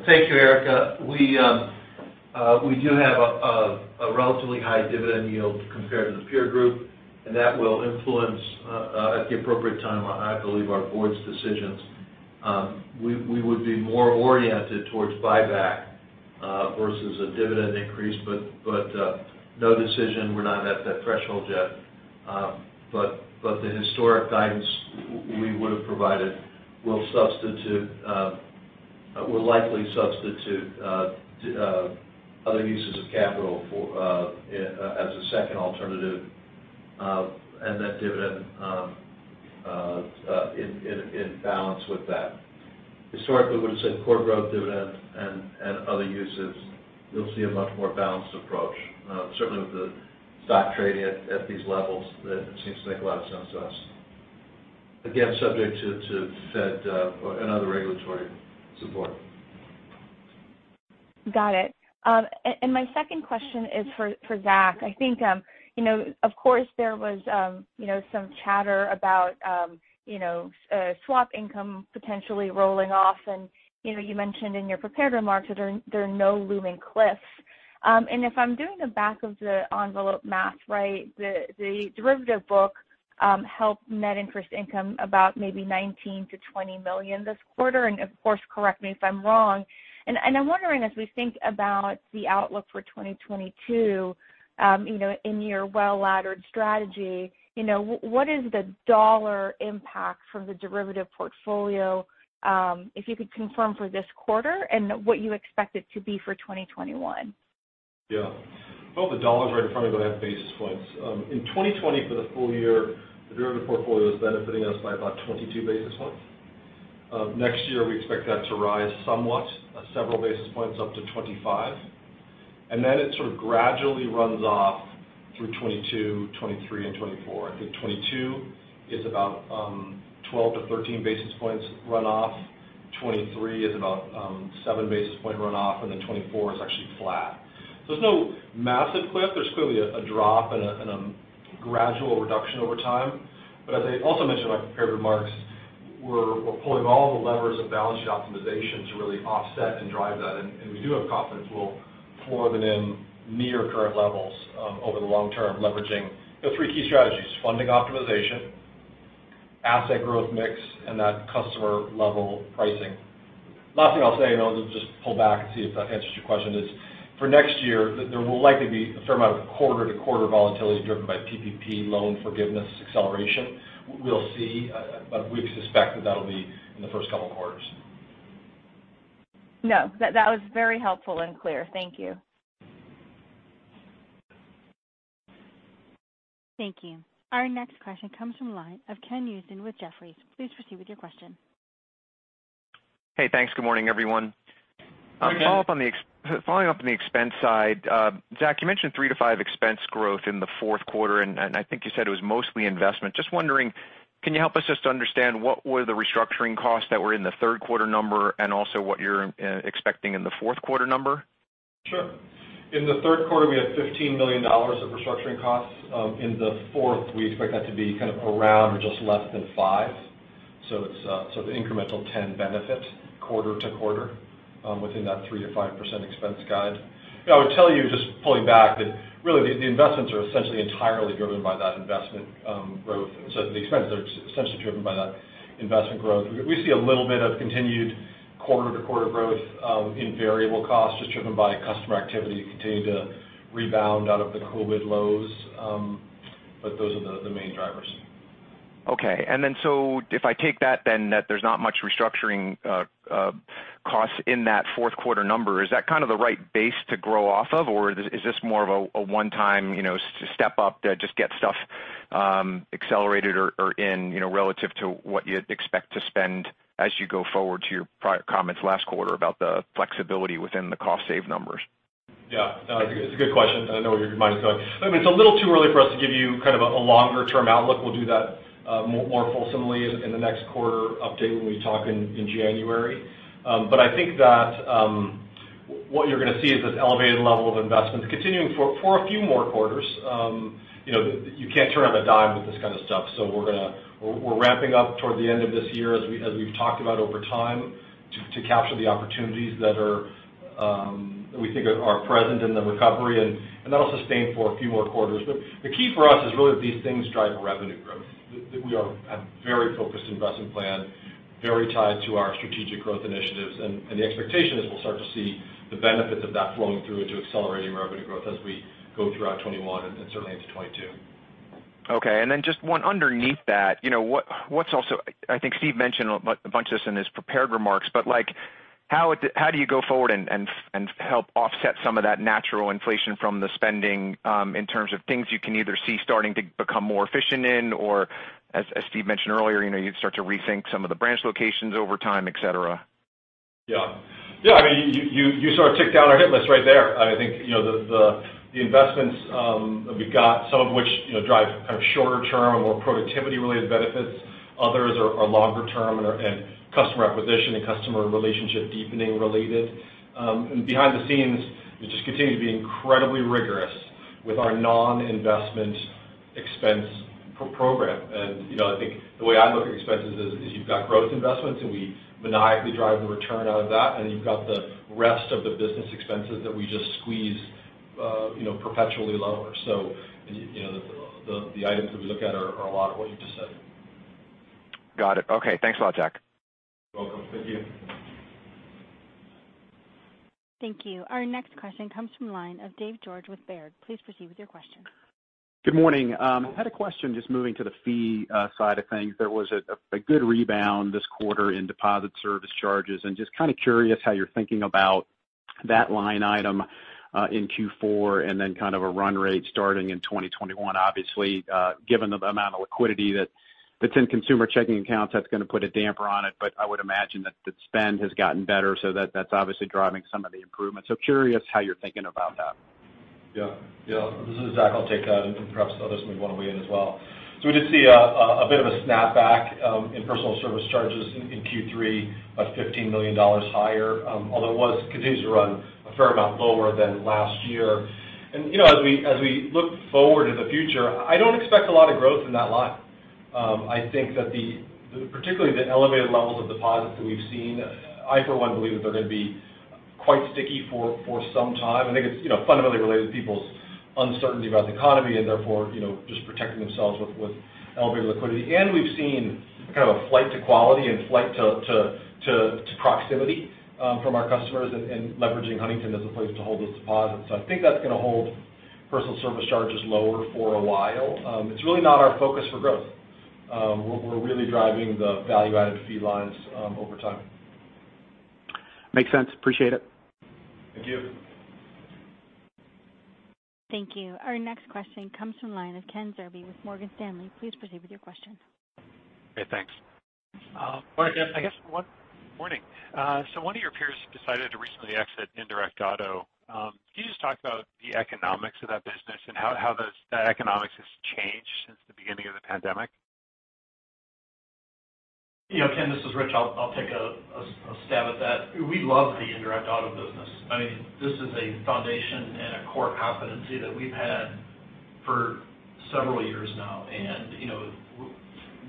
Thank you, Erika. We do have a relatively high dividend yield compared to the peer group, that will influence, at the appropriate time, I believe, our board's decisions. We would be more oriented towards buyback versus a dividend increase, no decision. We're not at that threshold yet. The historic guidance we would've provided will likely substitute other uses of capital as a second alternative, and that dividend in balance with that. Historically, we would've said core growth dividend and other uses. You'll see a much more balanced approach. Certainly with the stock trading at these levels, that seems to make a lot of sense to us. Again, subject to Fed, other regulatory support. Got it. My second question is for Zach. I think, of course, there was some chatter about swap income potentially rolling off and you mentioned in your prepared remarks that there are no looming cliffs. If I'm doing the back of the envelope math right, the derivative book helped net interest income about maybe $19 million-$20 million this quarter, and of course, correct me if I'm wrong. I'm wondering as we think about the outlook for 2022, in your well-laddered strategy, what is the dollar impact from the derivative portfolio, if you could confirm for this quarter and what you expect it to be for 2021? Yeah. Well, the dollar is right in front of you, but I have basis points. In 2020 for the full year, the derivative portfolio was benefiting us by about 22 basis points. Next year, we expect that to rise somewhat, several basis points up to 25. It gradually runs off through 2022, 2023, and 2024. I think 2022 is about 12 to 13 basis points runoff, 2023 is about seven basis point runoff, 2024 is actually flat. There's no massive cliff. There's clearly a drop and a gradual reduction over time. As I also mentioned in my prepared remarks, we're pulling all the levers of balance sheet optimization to really offset and drive that, and we do have confidence we'll floor the NIM near current levels, over the long term, leveraging the three key strategies, funding optimization, asset growth mix, and that customer-level pricing. Last thing I'll say, and I'll just pull back and see if that answers your question, is for next year, there will likely be a fair amount of quarter-to-quarter volatility driven by PPP loan forgiveness acceleration. We'll see. We suspect that that'll be in the first couple of quarters. No. That was very helpful and clear. Thank you. Thank you. Our next question comes from line of Ken Usdin with Jefferies. Please proceed with your question. Hey, thanks. Good morning, everyone. Good morning. Following up on the expense side, Zach, you mentioned 3% to 5% expense growth in the fourth quarter, and I think you said it was mostly investment. Just wondering, can you help us just to understand what were the restructuring costs that were in the third quarter number and also what you're expecting in the fourth quarter number? Sure. In the third quarter, we had $15 million of restructuring costs. In the fourth, we expect that to be kind of around or just less than $5. It's incremental $10 benefit quarter-to-quarter within that 3%-5% expense guide. I would tell you, just pulling back, that really the investments are essentially entirely driven by that investment growth. The expenses are essentially driven by that investment growth. We see a little bit of continued quarter-to-quarter growth in variable costs just driven by customer activity continuing to rebound out of the COVID lows. Those are the main drivers. Okay. If I take that then that there's not much restructuring costs in that fourth quarter number, is that kind of the right base to grow off of? Is this more of a one-time step up to just get stuff accelerated or in relative to what you'd expect to spend as you go forward to your prior comments last quarter about the flexibility within the cost save numbers? Yeah. No, I think it's a good question. I know where your mind is going. I mean, it's a little too early for us to give you kind of a longer-term outlook. We'll do that more fulsomely in the next quarter update when we talk in January. I think that what you're going to see is this elevated level of investment continuing for a few more quarters. You can't turn on a dime with this kind of stuff. We're ramping up toward the end of this year as we've talked about over time, to capture the opportunities that we think are present in the recovery, and that'll sustain for a few more quarters. The key for us is really that these things drive revenue growth. We have a very focused investment plan, very tied to our strategic growth initiatives. The expectation is we'll start to see the benefits of that flowing through into accelerating revenue growth as we go throughout 2021 and certainly into 2022. Okay. Just one underneath that. I think Steph mentioned a bunch of this in his prepared remarks, how do you go forward and help offset some of that natural inflation from the spending in terms of things you can either see starting to become more efficient in, or as Steve mentioned earlier, you'd start to rethink some of the branch locations over time, et cetera? Yeah. I mean, you sort of ticked down our hit list right there. I think the investments that we got, some of which drive kind of shorter term, more productivity-related benefits, others are longer term and customer acquisition and customer relationship deepening related. Behind the scenes, we just continue to be incredibly rigorous with our non-investment expense program. I think the way I look at expenses is you've got growth investments, and we maniacally drive the return out of that, and then you've got the rest of the business expenses that we just squeeze perpetually lower. The items that we look at are a lot of what you just said. Got it. Okay. Thanks a lot, Zach. You're welcome. Thank you. Thank you. Our next question comes from the line of Dave George with Baird. Please proceed with your question. Good morning. I had a question just moving to the fee side of things. There was a good rebound this quarter in deposit service charges and just kind of curious how you're thinking about that line item in Q4 and then kind of a run rate starting in 2021. Obviously, given the amount of liquidity that's in consumer checking accounts, that's going to put a damper on it. I would imagine that the spend has gotten better, so that's obviously driving some of the improvements. So curious how you're thinking about that. Yeah. This is Zach. I'll take that and perhaps others may want to weigh in as well. We did see a bit of a snapback in personal service charges in Q3 of $15 million higher. Although it continues to run a fair amount lower than last year. As we look forward to the future, I don't expect a lot of growth in that line. I think that particularly the elevated levels of deposits that we've seen, I for one believe that they're going to be quite sticky for some time. I think it's fundamentally related to people's uncertainty about the economy and therefore just protecting themselves with elevated liquidity. We've seen kind of a flight to quality and flight to proximity from our customers and leveraging Huntington as a place to hold those deposits. I think that's going to hold personal service charges lower for a while. It's really not our focus for growth. We're really driving the value-added fee lines over time. Makes sense. Appreciate it. Thank you. Thank you. Our next question comes from the line of Ken Zerbe with Morgan Stanley. Please proceed with your question. Okay, thanks. Morning, Ken. Morning. One of your peers decided to recently exit indirect auto. Can you just talk about the economics of that business and how that economics has changed since the beginning of the pandemic? Ken, this is Rich. I'll take a stab at that. We love the indirect auto business. I mean, this is a foundation and a core competency that we've had for several years now.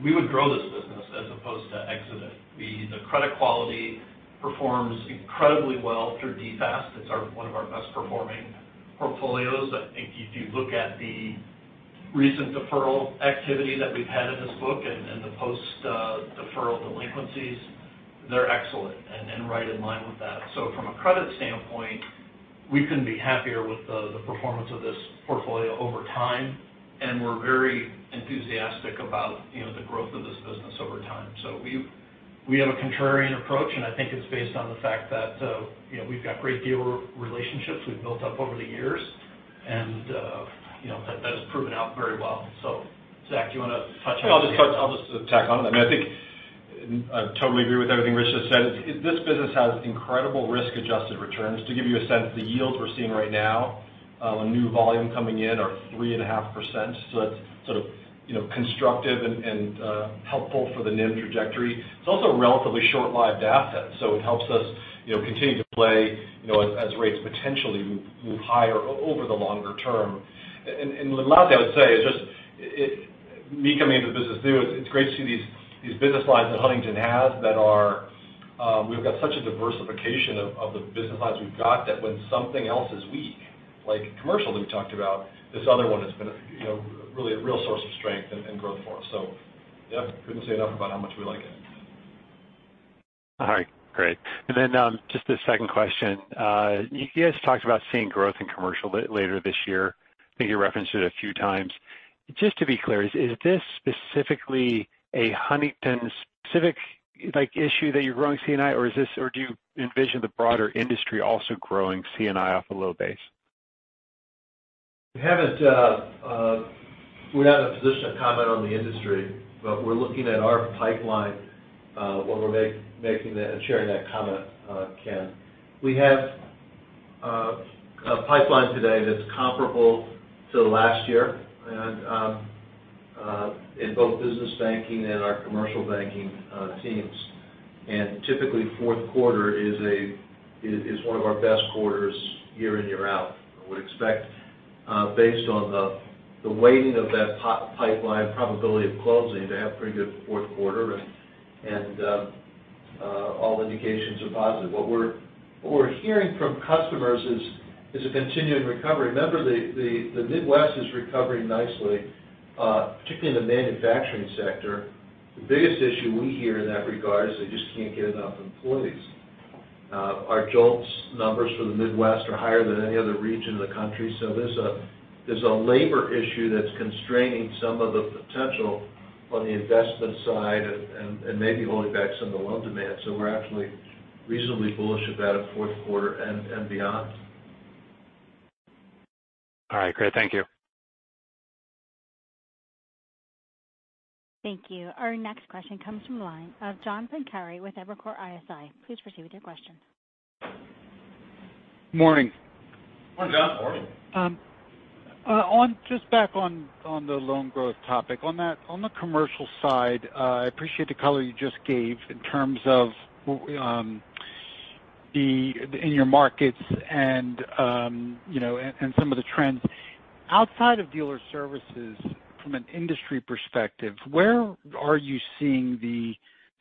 We would grow this business as opposed to exit it. The credit quality performs incredibly well through DFAST. It's one of our best-performing portfolios. I think if you look at the recent deferral activity that we've had in this book and the post-deferral delinquencies, they're excellent and right in line with that. From a credit standpoint, we couldn't be happier with the performance of this portfolio over time, and we're very enthusiastic about the growth of this business over time. We have a contrarian approach, and I think it's based on the fact that we've got great dealer relationships we've built up over the years. That has proven out very well. Zach, do you want to touch on that? I'll just tack onto that. I think I totally agree with everything Rich just said. This business has incredible risk-adjusted returns. To give you a sense, the yields we're seeing right now on new volume coming in are 3.5%. That's constructive and helpful for the NIM trajectory. It's also a relatively short-lived asset, so it helps us continue to play as rates potentially move higher over the longer term. The last thing I would say is just, me coming into the business too, it's great to see these business lines that Huntington has. We've got such a diversification of the business lines we've got that when something else is weak, like commercial that we talked about, this other one has been a real source of strength and growth for us. Yeah, couldn't say enough about how much we like it. All right, great. Just the second question. You guys talked about seeing growth in commercial later this year. I think you referenced it a few times. Just to be clear, is this specifically a Huntington-specific issue that you're growing C&I, or do you envision the broader industry also growing C&I off a low base? We're not in a position to comment on the industry, but we're looking at our pipeline when we're making that and sharing that comment, Ken. We have a pipeline today that's comparable to last year and in both business banking and our commercial banking teams. Typically, fourth quarter is one of our best quarters year in, year out. I would expect based on the weighting of that pipeline probability of closing to have pretty good fourth quarter, and all indications are positive. What we're hearing from customers is a continuing recovery. Remember, the Midwest is recovering nicely, particularly in the manufacturing sector. The biggest issue we hear in that regard is they just can't get enough employees. Our JOLTS numbers for the Midwest are higher than any other region in the country. There's a labor issue that's constraining some of the potential on the investment side and maybe holding back some of the loan demand. We're actually reasonably bullish about a fourth quarter and beyond. All right, great. Thank you. Thank you. Our next question comes from the line of John Pancari with Evercore ISI. Please proceed with your question. Morning. Morning, John. Morning. Just back on the loan growth topic. On the commercial side, I appreciate the color you just gave in terms of in your markets and some of the trends. Outside of dealer services from an industry perspective, where are you seeing the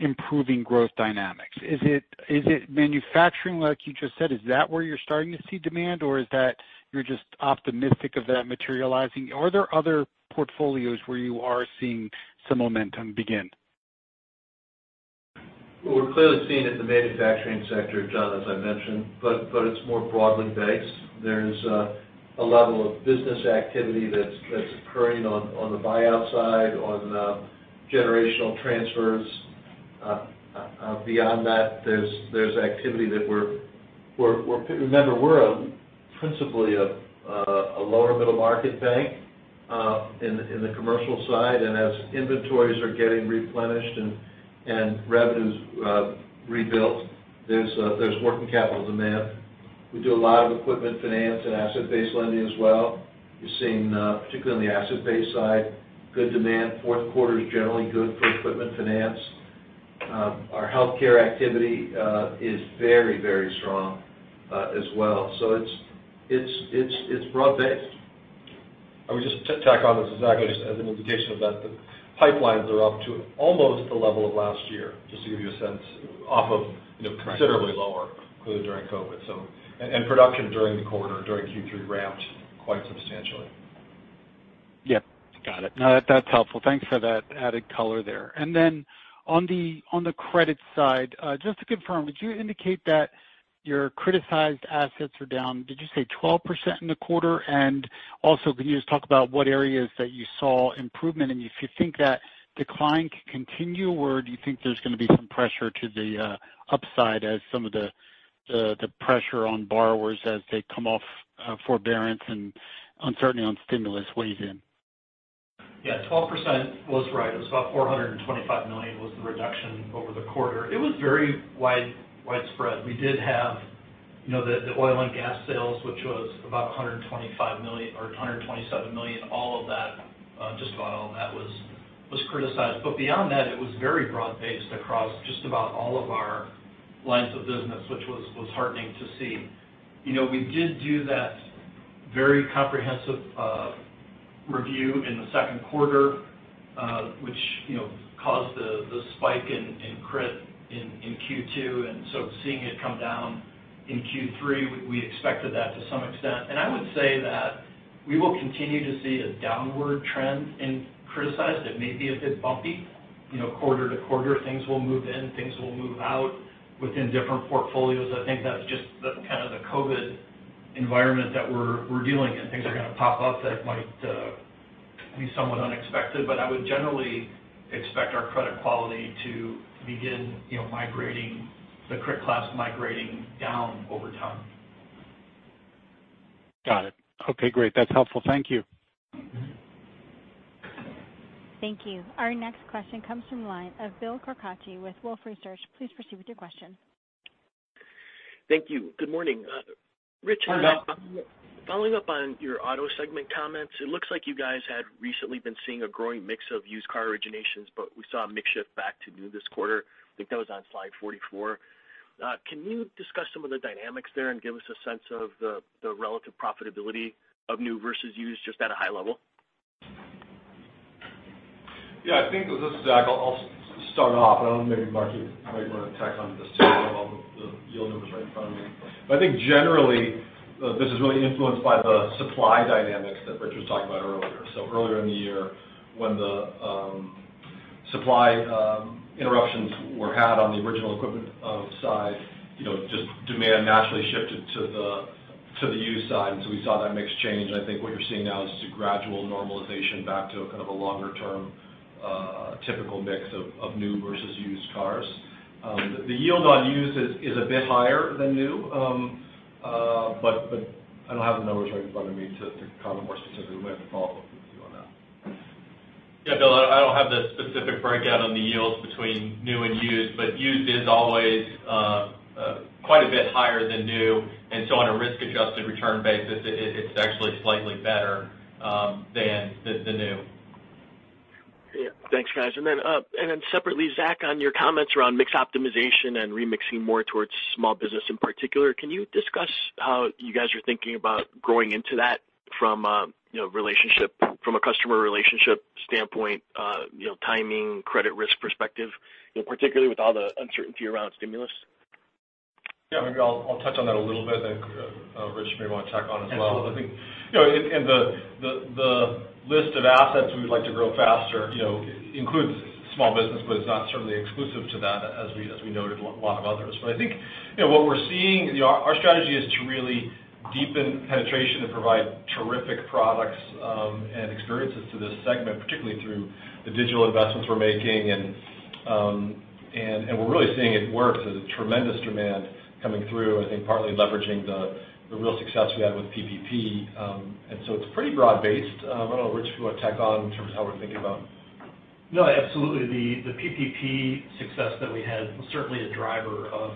improving growth dynamics? Is it manufacturing, like you just said? Is that where you're starting to see demand? Or is that you're just optimistic of that materializing? Are there other portfolios where you are seeing some momentum begin? We're clearly seeing it in the manufacturing sector, John, as I mentioned. It's more broadly based. There's a level of business activity that's occurring on the buyout side, on generational transfers. Beyond that, there's activity. Remember, we're principally a lower-middle market bank in the commercial side. As inventories are getting replenished and revenues rebuilt, there's working capital demand. We do a lot of equipment finance and asset-based lending as well. You're seeing, particularly on the asset-based side, good demand. Fourth quarter is generally good for equipment finance. Our healthcare activity is very strong as well. It's broad-based. I would just tack on as exactly as an indication of that, the pipelines are up to almost the level of last year, just to give you a sense, off of considerably lower clearly during COVID. Production during the quarter, during Q3 ramped quite substantially. Yep. Got it. No, that's helpful. Thanks for that added color there. Then on the credit side, just to confirm, would you indicate that your criticized assets are down, did you say 12% in the quarter? Also, can you just talk about what areas that you saw improvement in? If you think that decline could continue, or do you think there's going to be some pressure to the upside as some of the pressure on borrowers as they come off forbearance and uncertainty on stimulus weighs in? Yeah, 12% was right. It was about $425 million was the reduction over the quarter. It was very widespread. We did have the oil and gas sales, which was about $125 million or $127 million. Just about all of that was criticized. Beyond that, it was very broad based across just about all of our lines of business, which was heartening to see. We did do that very comprehensive review in the second quarter which caused the spike in crit in Q2, seeing it come down in Q3, we expected that to some extent. I would say that we will continue to see a downward trend in criticized. It may be a bit bumpy, quarter to quarter, things will move in, things will move out within different portfolios. I think that's just the kind of the COVID environment that we're dealing in. Things are going to pop up that might Be somewhat unexpected, but I would generally expect our credit quality to begin the credit class migrating down over time. Got it. Okay, great. That's helpful. Thank you. Thank you. Our next question comes from the line of Bill Carcache with Wolfe Research. Please proceed with your question. Thank you. Good morning. Hi, Bill. Rich, following up on your auto segment comments, it looks like you guys had recently been seeing a growing mix of used car originations, but we saw a mix shift back to new this quarter. I think that wwwas on slide 44. Can you discuss some of the dynamics there and give us a sense of the relative profitability of new versus used, just at a high level? Yeah, I think this is Zach. I'll start off, and maybe Mark, you might want to tack on this too. I don't have all the yield numbers right in front of me. I think generally, this is really influenced by the supply dynamics that Rich was talking about earlier. Earlier in the year, when the supply interruptions were had on the original equipment side, demand naturally shifted to the used side. So we saw that mix change. I think what you're seeing now is just a gradual normalization back to a kind of a longer-term, typical mix of new versus used cars. The yield on used is a bit higher than new. I don't have the numbers right in front of me to comment more specifically. We have to follow up with you on that. Bill, I don't have the specific breakout on the yields between new and used. Used is always quite a bit higher than new. On a risk-adjusted return basis, it's actually slightly better than the new. Yeah. Thanks, guys. Separately, Zach, on your comments around mix optimization and remixing more towards small business in particular, can you discuss how you guys are thinking about growing into that from a customer relationship standpoint, timing, credit risk perspective, particularly with all the uncertainty around stimulus? Maybe I'll touch on that a little bit, and then Rich may want to tack on as well. Absolutely. I think in the list of assets we would like to grow faster includes small business, but it's not certainly exclusive to that as we noted a lot of others. I think what we're seeing, our strategy is to really deepen penetration and provide terrific products and experiences to this segment, particularly through the digital investments we're making, and we're really seeing it work. There's a tremendous demand coming through, I think partly leveraging the real success we had with PPP. It's pretty broad based. I don't know, Rich, if you want to tack on in terms of how we're thinking about it. No, absolutely. The PPP success that we had was certainly a driver of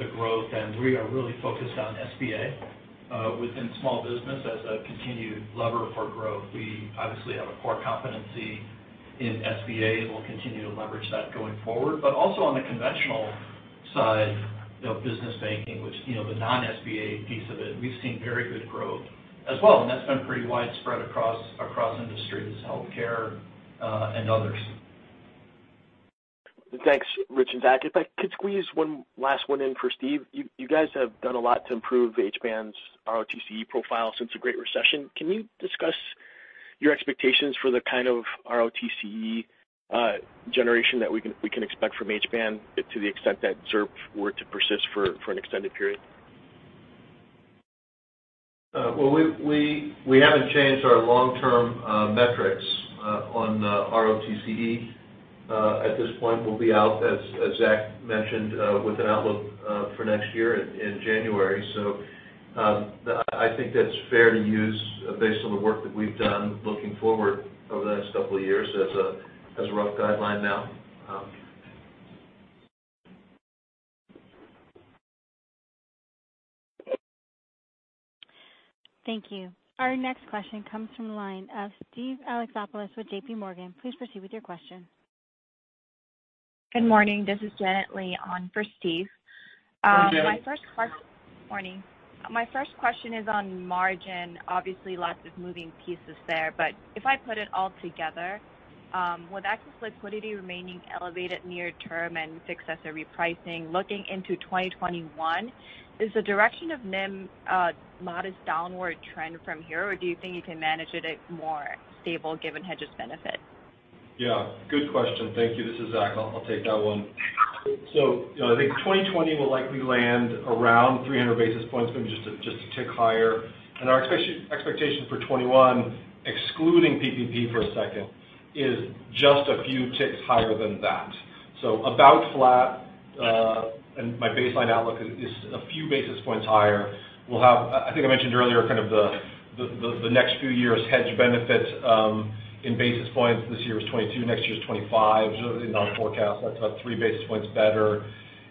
the growth, and we are really focused on SBA within small business as a continued lever for growth. We obviously have a core competency in SBA, and we'll continue to leverage that going forward. Also on the conventional side of business banking, which the non-SBA piece of it, we've seen very good growth as well, and that's been pretty widespread across industries, healthcare, and others. Thanks, Rich and Zach. If I could squeeze one last one in for Steve. You guys have done a lot to improve HBAN's ROTCE profile since the Great Recession. Can you discuss your expectations for the kind of ROTCE generation that we can expect from HBAN to the extent that ZIRP were to persist for an extended period? Well, we haven't changed our long-term metrics on ROTCE. At this point, we'll be out, as Zach mentioned, with an outlook for next year in January. I think that's fair to use based on the work that we've done looking forward over the next couple of years as a rough guideline now. Thank you. Our next question comes from the line of Steve Alexopoulos with JP Morgan. Please proceed with your question. Good morning. This is Janet Lee on for Steve. Hi, Janet. Morning. My first question is on margin. Obviously, lots of moving pieces there, but if I put it all together, with excess liquidity remaining elevated near term and success of repricing, looking into 2021, is the direction of NIM a modest downward trend from here, or do you think you can manage it at more stable given hedges benefit? Yeah. Good question. Thank you. This is Zach. I'll take that one. I think 2020 will likely land around 300 basis points, maybe just a tick higher. Our expectation for 2021, excluding PPP for a second, is just a few ticks higher than that. About flat, my baseline outlook is a few basis points higher. I think I mentioned earlier kind of the next few years' hedge benefits in basis points this year is 22, next year is 25. In our forecast, that's about three basis points better.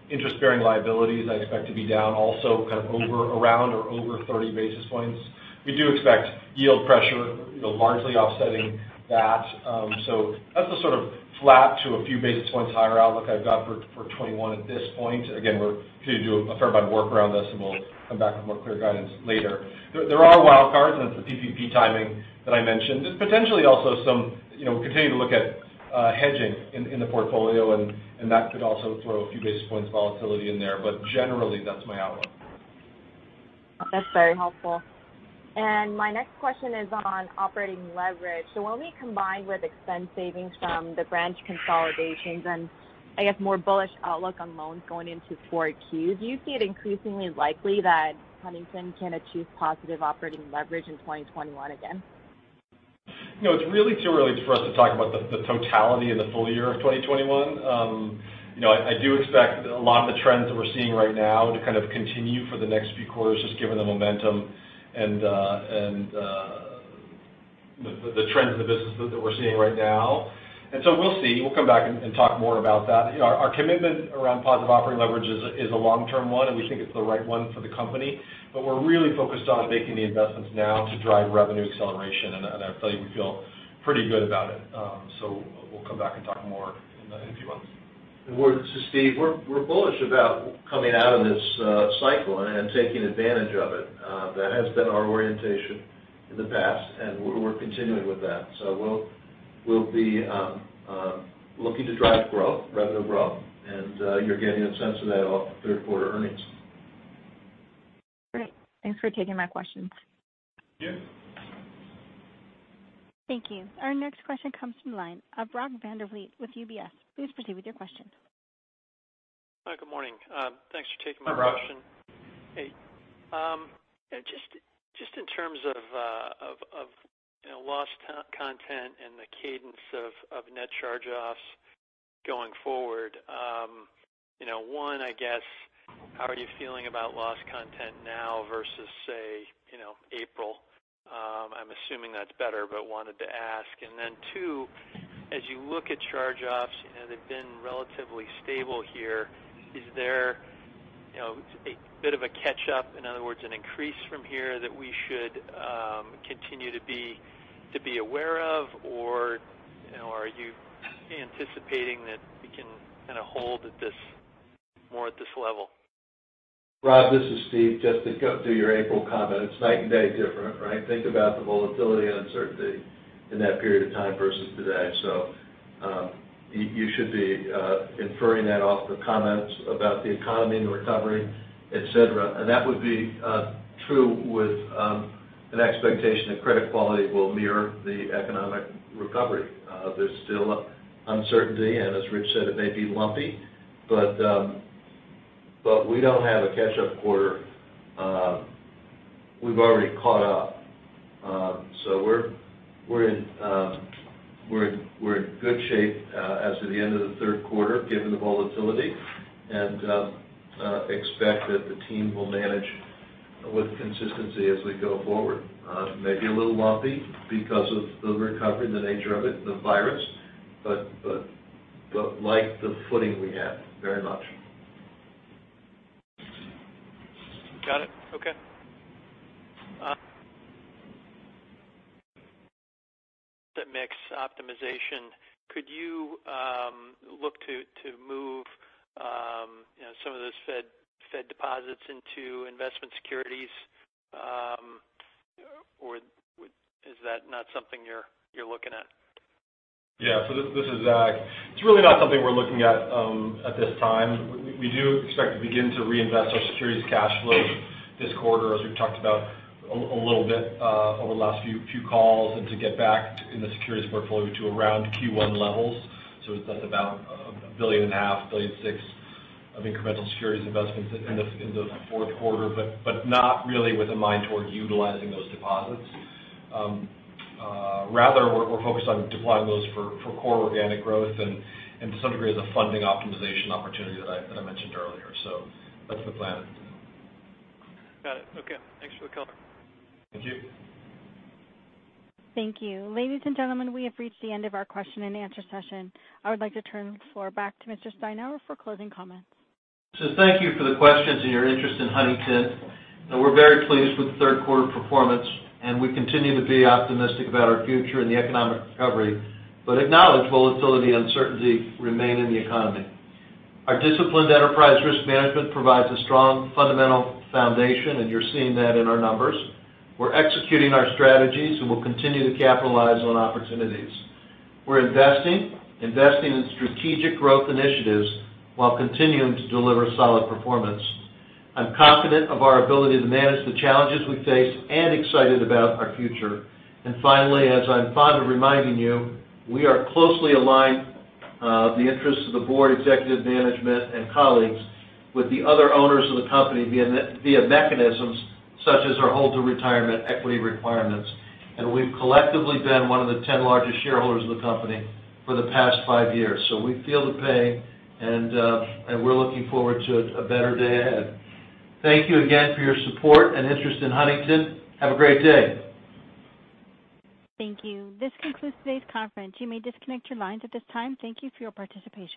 Interest-bearing liabilities I expect to be down also kind of around or over 30 basis points. We do expect yield pressure largely offsetting that. That's the sort of flat to a few basis points higher outlook I've got for 2021 at this point. Again, we're going to do a fair amount of work around this, and we'll come back with more clear guidance later. There are wild cards, and it's the PPP timing that I mentioned. There's potentially also some, continue to look at hedging in the portfolio, and that could also throw a few basis points volatility in there. Generally, that's my outlook. That's very helpful. My next question is on operating leverage. When we combine with expense savings from the branch consolidations and I guess more bullish outlook on loans going into 4Q, do you see it increasingly likely that Huntington can achieve positive operating leverage in 2021 again? It's really too early for us to talk about the totality of the full year of 2021. I do expect a lot of the trends that we're seeing right now to kind of continue for the next few quarters, just given the momentum and the trends in the business that we're seeing right now. We'll see. We'll come back and talk more about that. Our commitment around positive operating leverage is a long-term one, and we think it's the right one for the company. We're really focused on making the investments now to drive revenue acceleration, and I tell you, we feel pretty good about it. We'll come back and talk more in a few months. This is Steve. We're bullish about coming out of this cycle and taking advantage of it. That has been our orientation in the past, and we're continuing with that. We'll be looking to drive growth, revenue growth, and you're getting a sense of that off the third quarter earnings. Great. Thanks for taking my questions. Yeah. Thank you. Our next question comes from the line of Brock Vandervliet with UBS. Please proceed with your question. Hi, good morning. Thanks for taking my question. Hi, Brock. Hey. In terms of loss content and the cadence of net charge-offs going forward, one, I guess, how are you feeling about loss content now versus, say, April? I'm assuming that's better, wanted to ask. Two, as you look at charge-offs, they've been relatively stable here. Is there a bit of a catch-up, in other words, an increase from here that we should continue to be aware of? Are you anticipating that we can kind of hold more at this level? Brock, this is Steve. Your April comment, it's night and day different, right? Think about the volatility and uncertainty in that period of time versus today. You should be inferring that off the comments about the economy and the recovery, et cetera. That would be true with an expectation that credit quality will mirror the economic recovery. There's still uncertainty, and as Rich said, it may be lumpy, but we don't have a catch-up quarter. We've already caught up. We're in good shape as of the end of the third quarter, given the volatility, and expect that the team will manage with consistency as we go forward. Maybe a little lumpy because of the recovery, the nature of it, the virus, but like the footing we have very much. Got it. Okay. The mix optimization, could you look to move some of those Fed deposits into investment securities? Is that not something you're looking at? Yeah. This is Zach. It's really not something we're looking at at this time. We do expect to begin to reinvest our securities cash flow this quarter, as we've talked about a little bit over the last few calls, and to get back in the securities portfolio to around Q1 levels. That's about $1.5 billion, $1.6 billion of incremental securities investments in the fourth quarter, not really with a mind toward utilizing those deposits. Rather, we're focused on deploying those for core organic growth and to some degree, the funding optimization opportunity that I mentioned earlier. That's the plan. Got it. Okay. Thanks for the color. Thank you. Thank you. Ladies and gentlemen, we have reached the end of our question and answer session. I would like to turn the floor back to Mr. Steinour for closing comments. Thank you for the questions and your interest in Huntington. We're very pleased with the third quarter performance, and we continue to be optimistic about our future and the economic recovery but acknowledge volatility and uncertainty remain in the economy. Our disciplined enterprise risk management provides a strong fundamental foundation, and you're seeing that in our numbers. We're executing our strategies and will continue to capitalize on opportunities. We're investing in strategic growth initiatives while continuing to deliver solid performance. I'm confident of our ability to manage the challenges we face and excited about our future. Finally, as I'm fond of reminding you, we are closely aligned, the interests of the board, executive management, and colleagues, with the other owners of the company via mechanisms such as our hold-to-retirement equity requirements. We've collectively been one of the 10 largest shareholders of the company for the past five years. We feel the pain, and we're looking forward to a better day ahead. Thank you again for your support and interest in Huntington. Have a great day. Thank you. This concludes today's conference. You may disconnect your lines at this time. Thank you for your participation.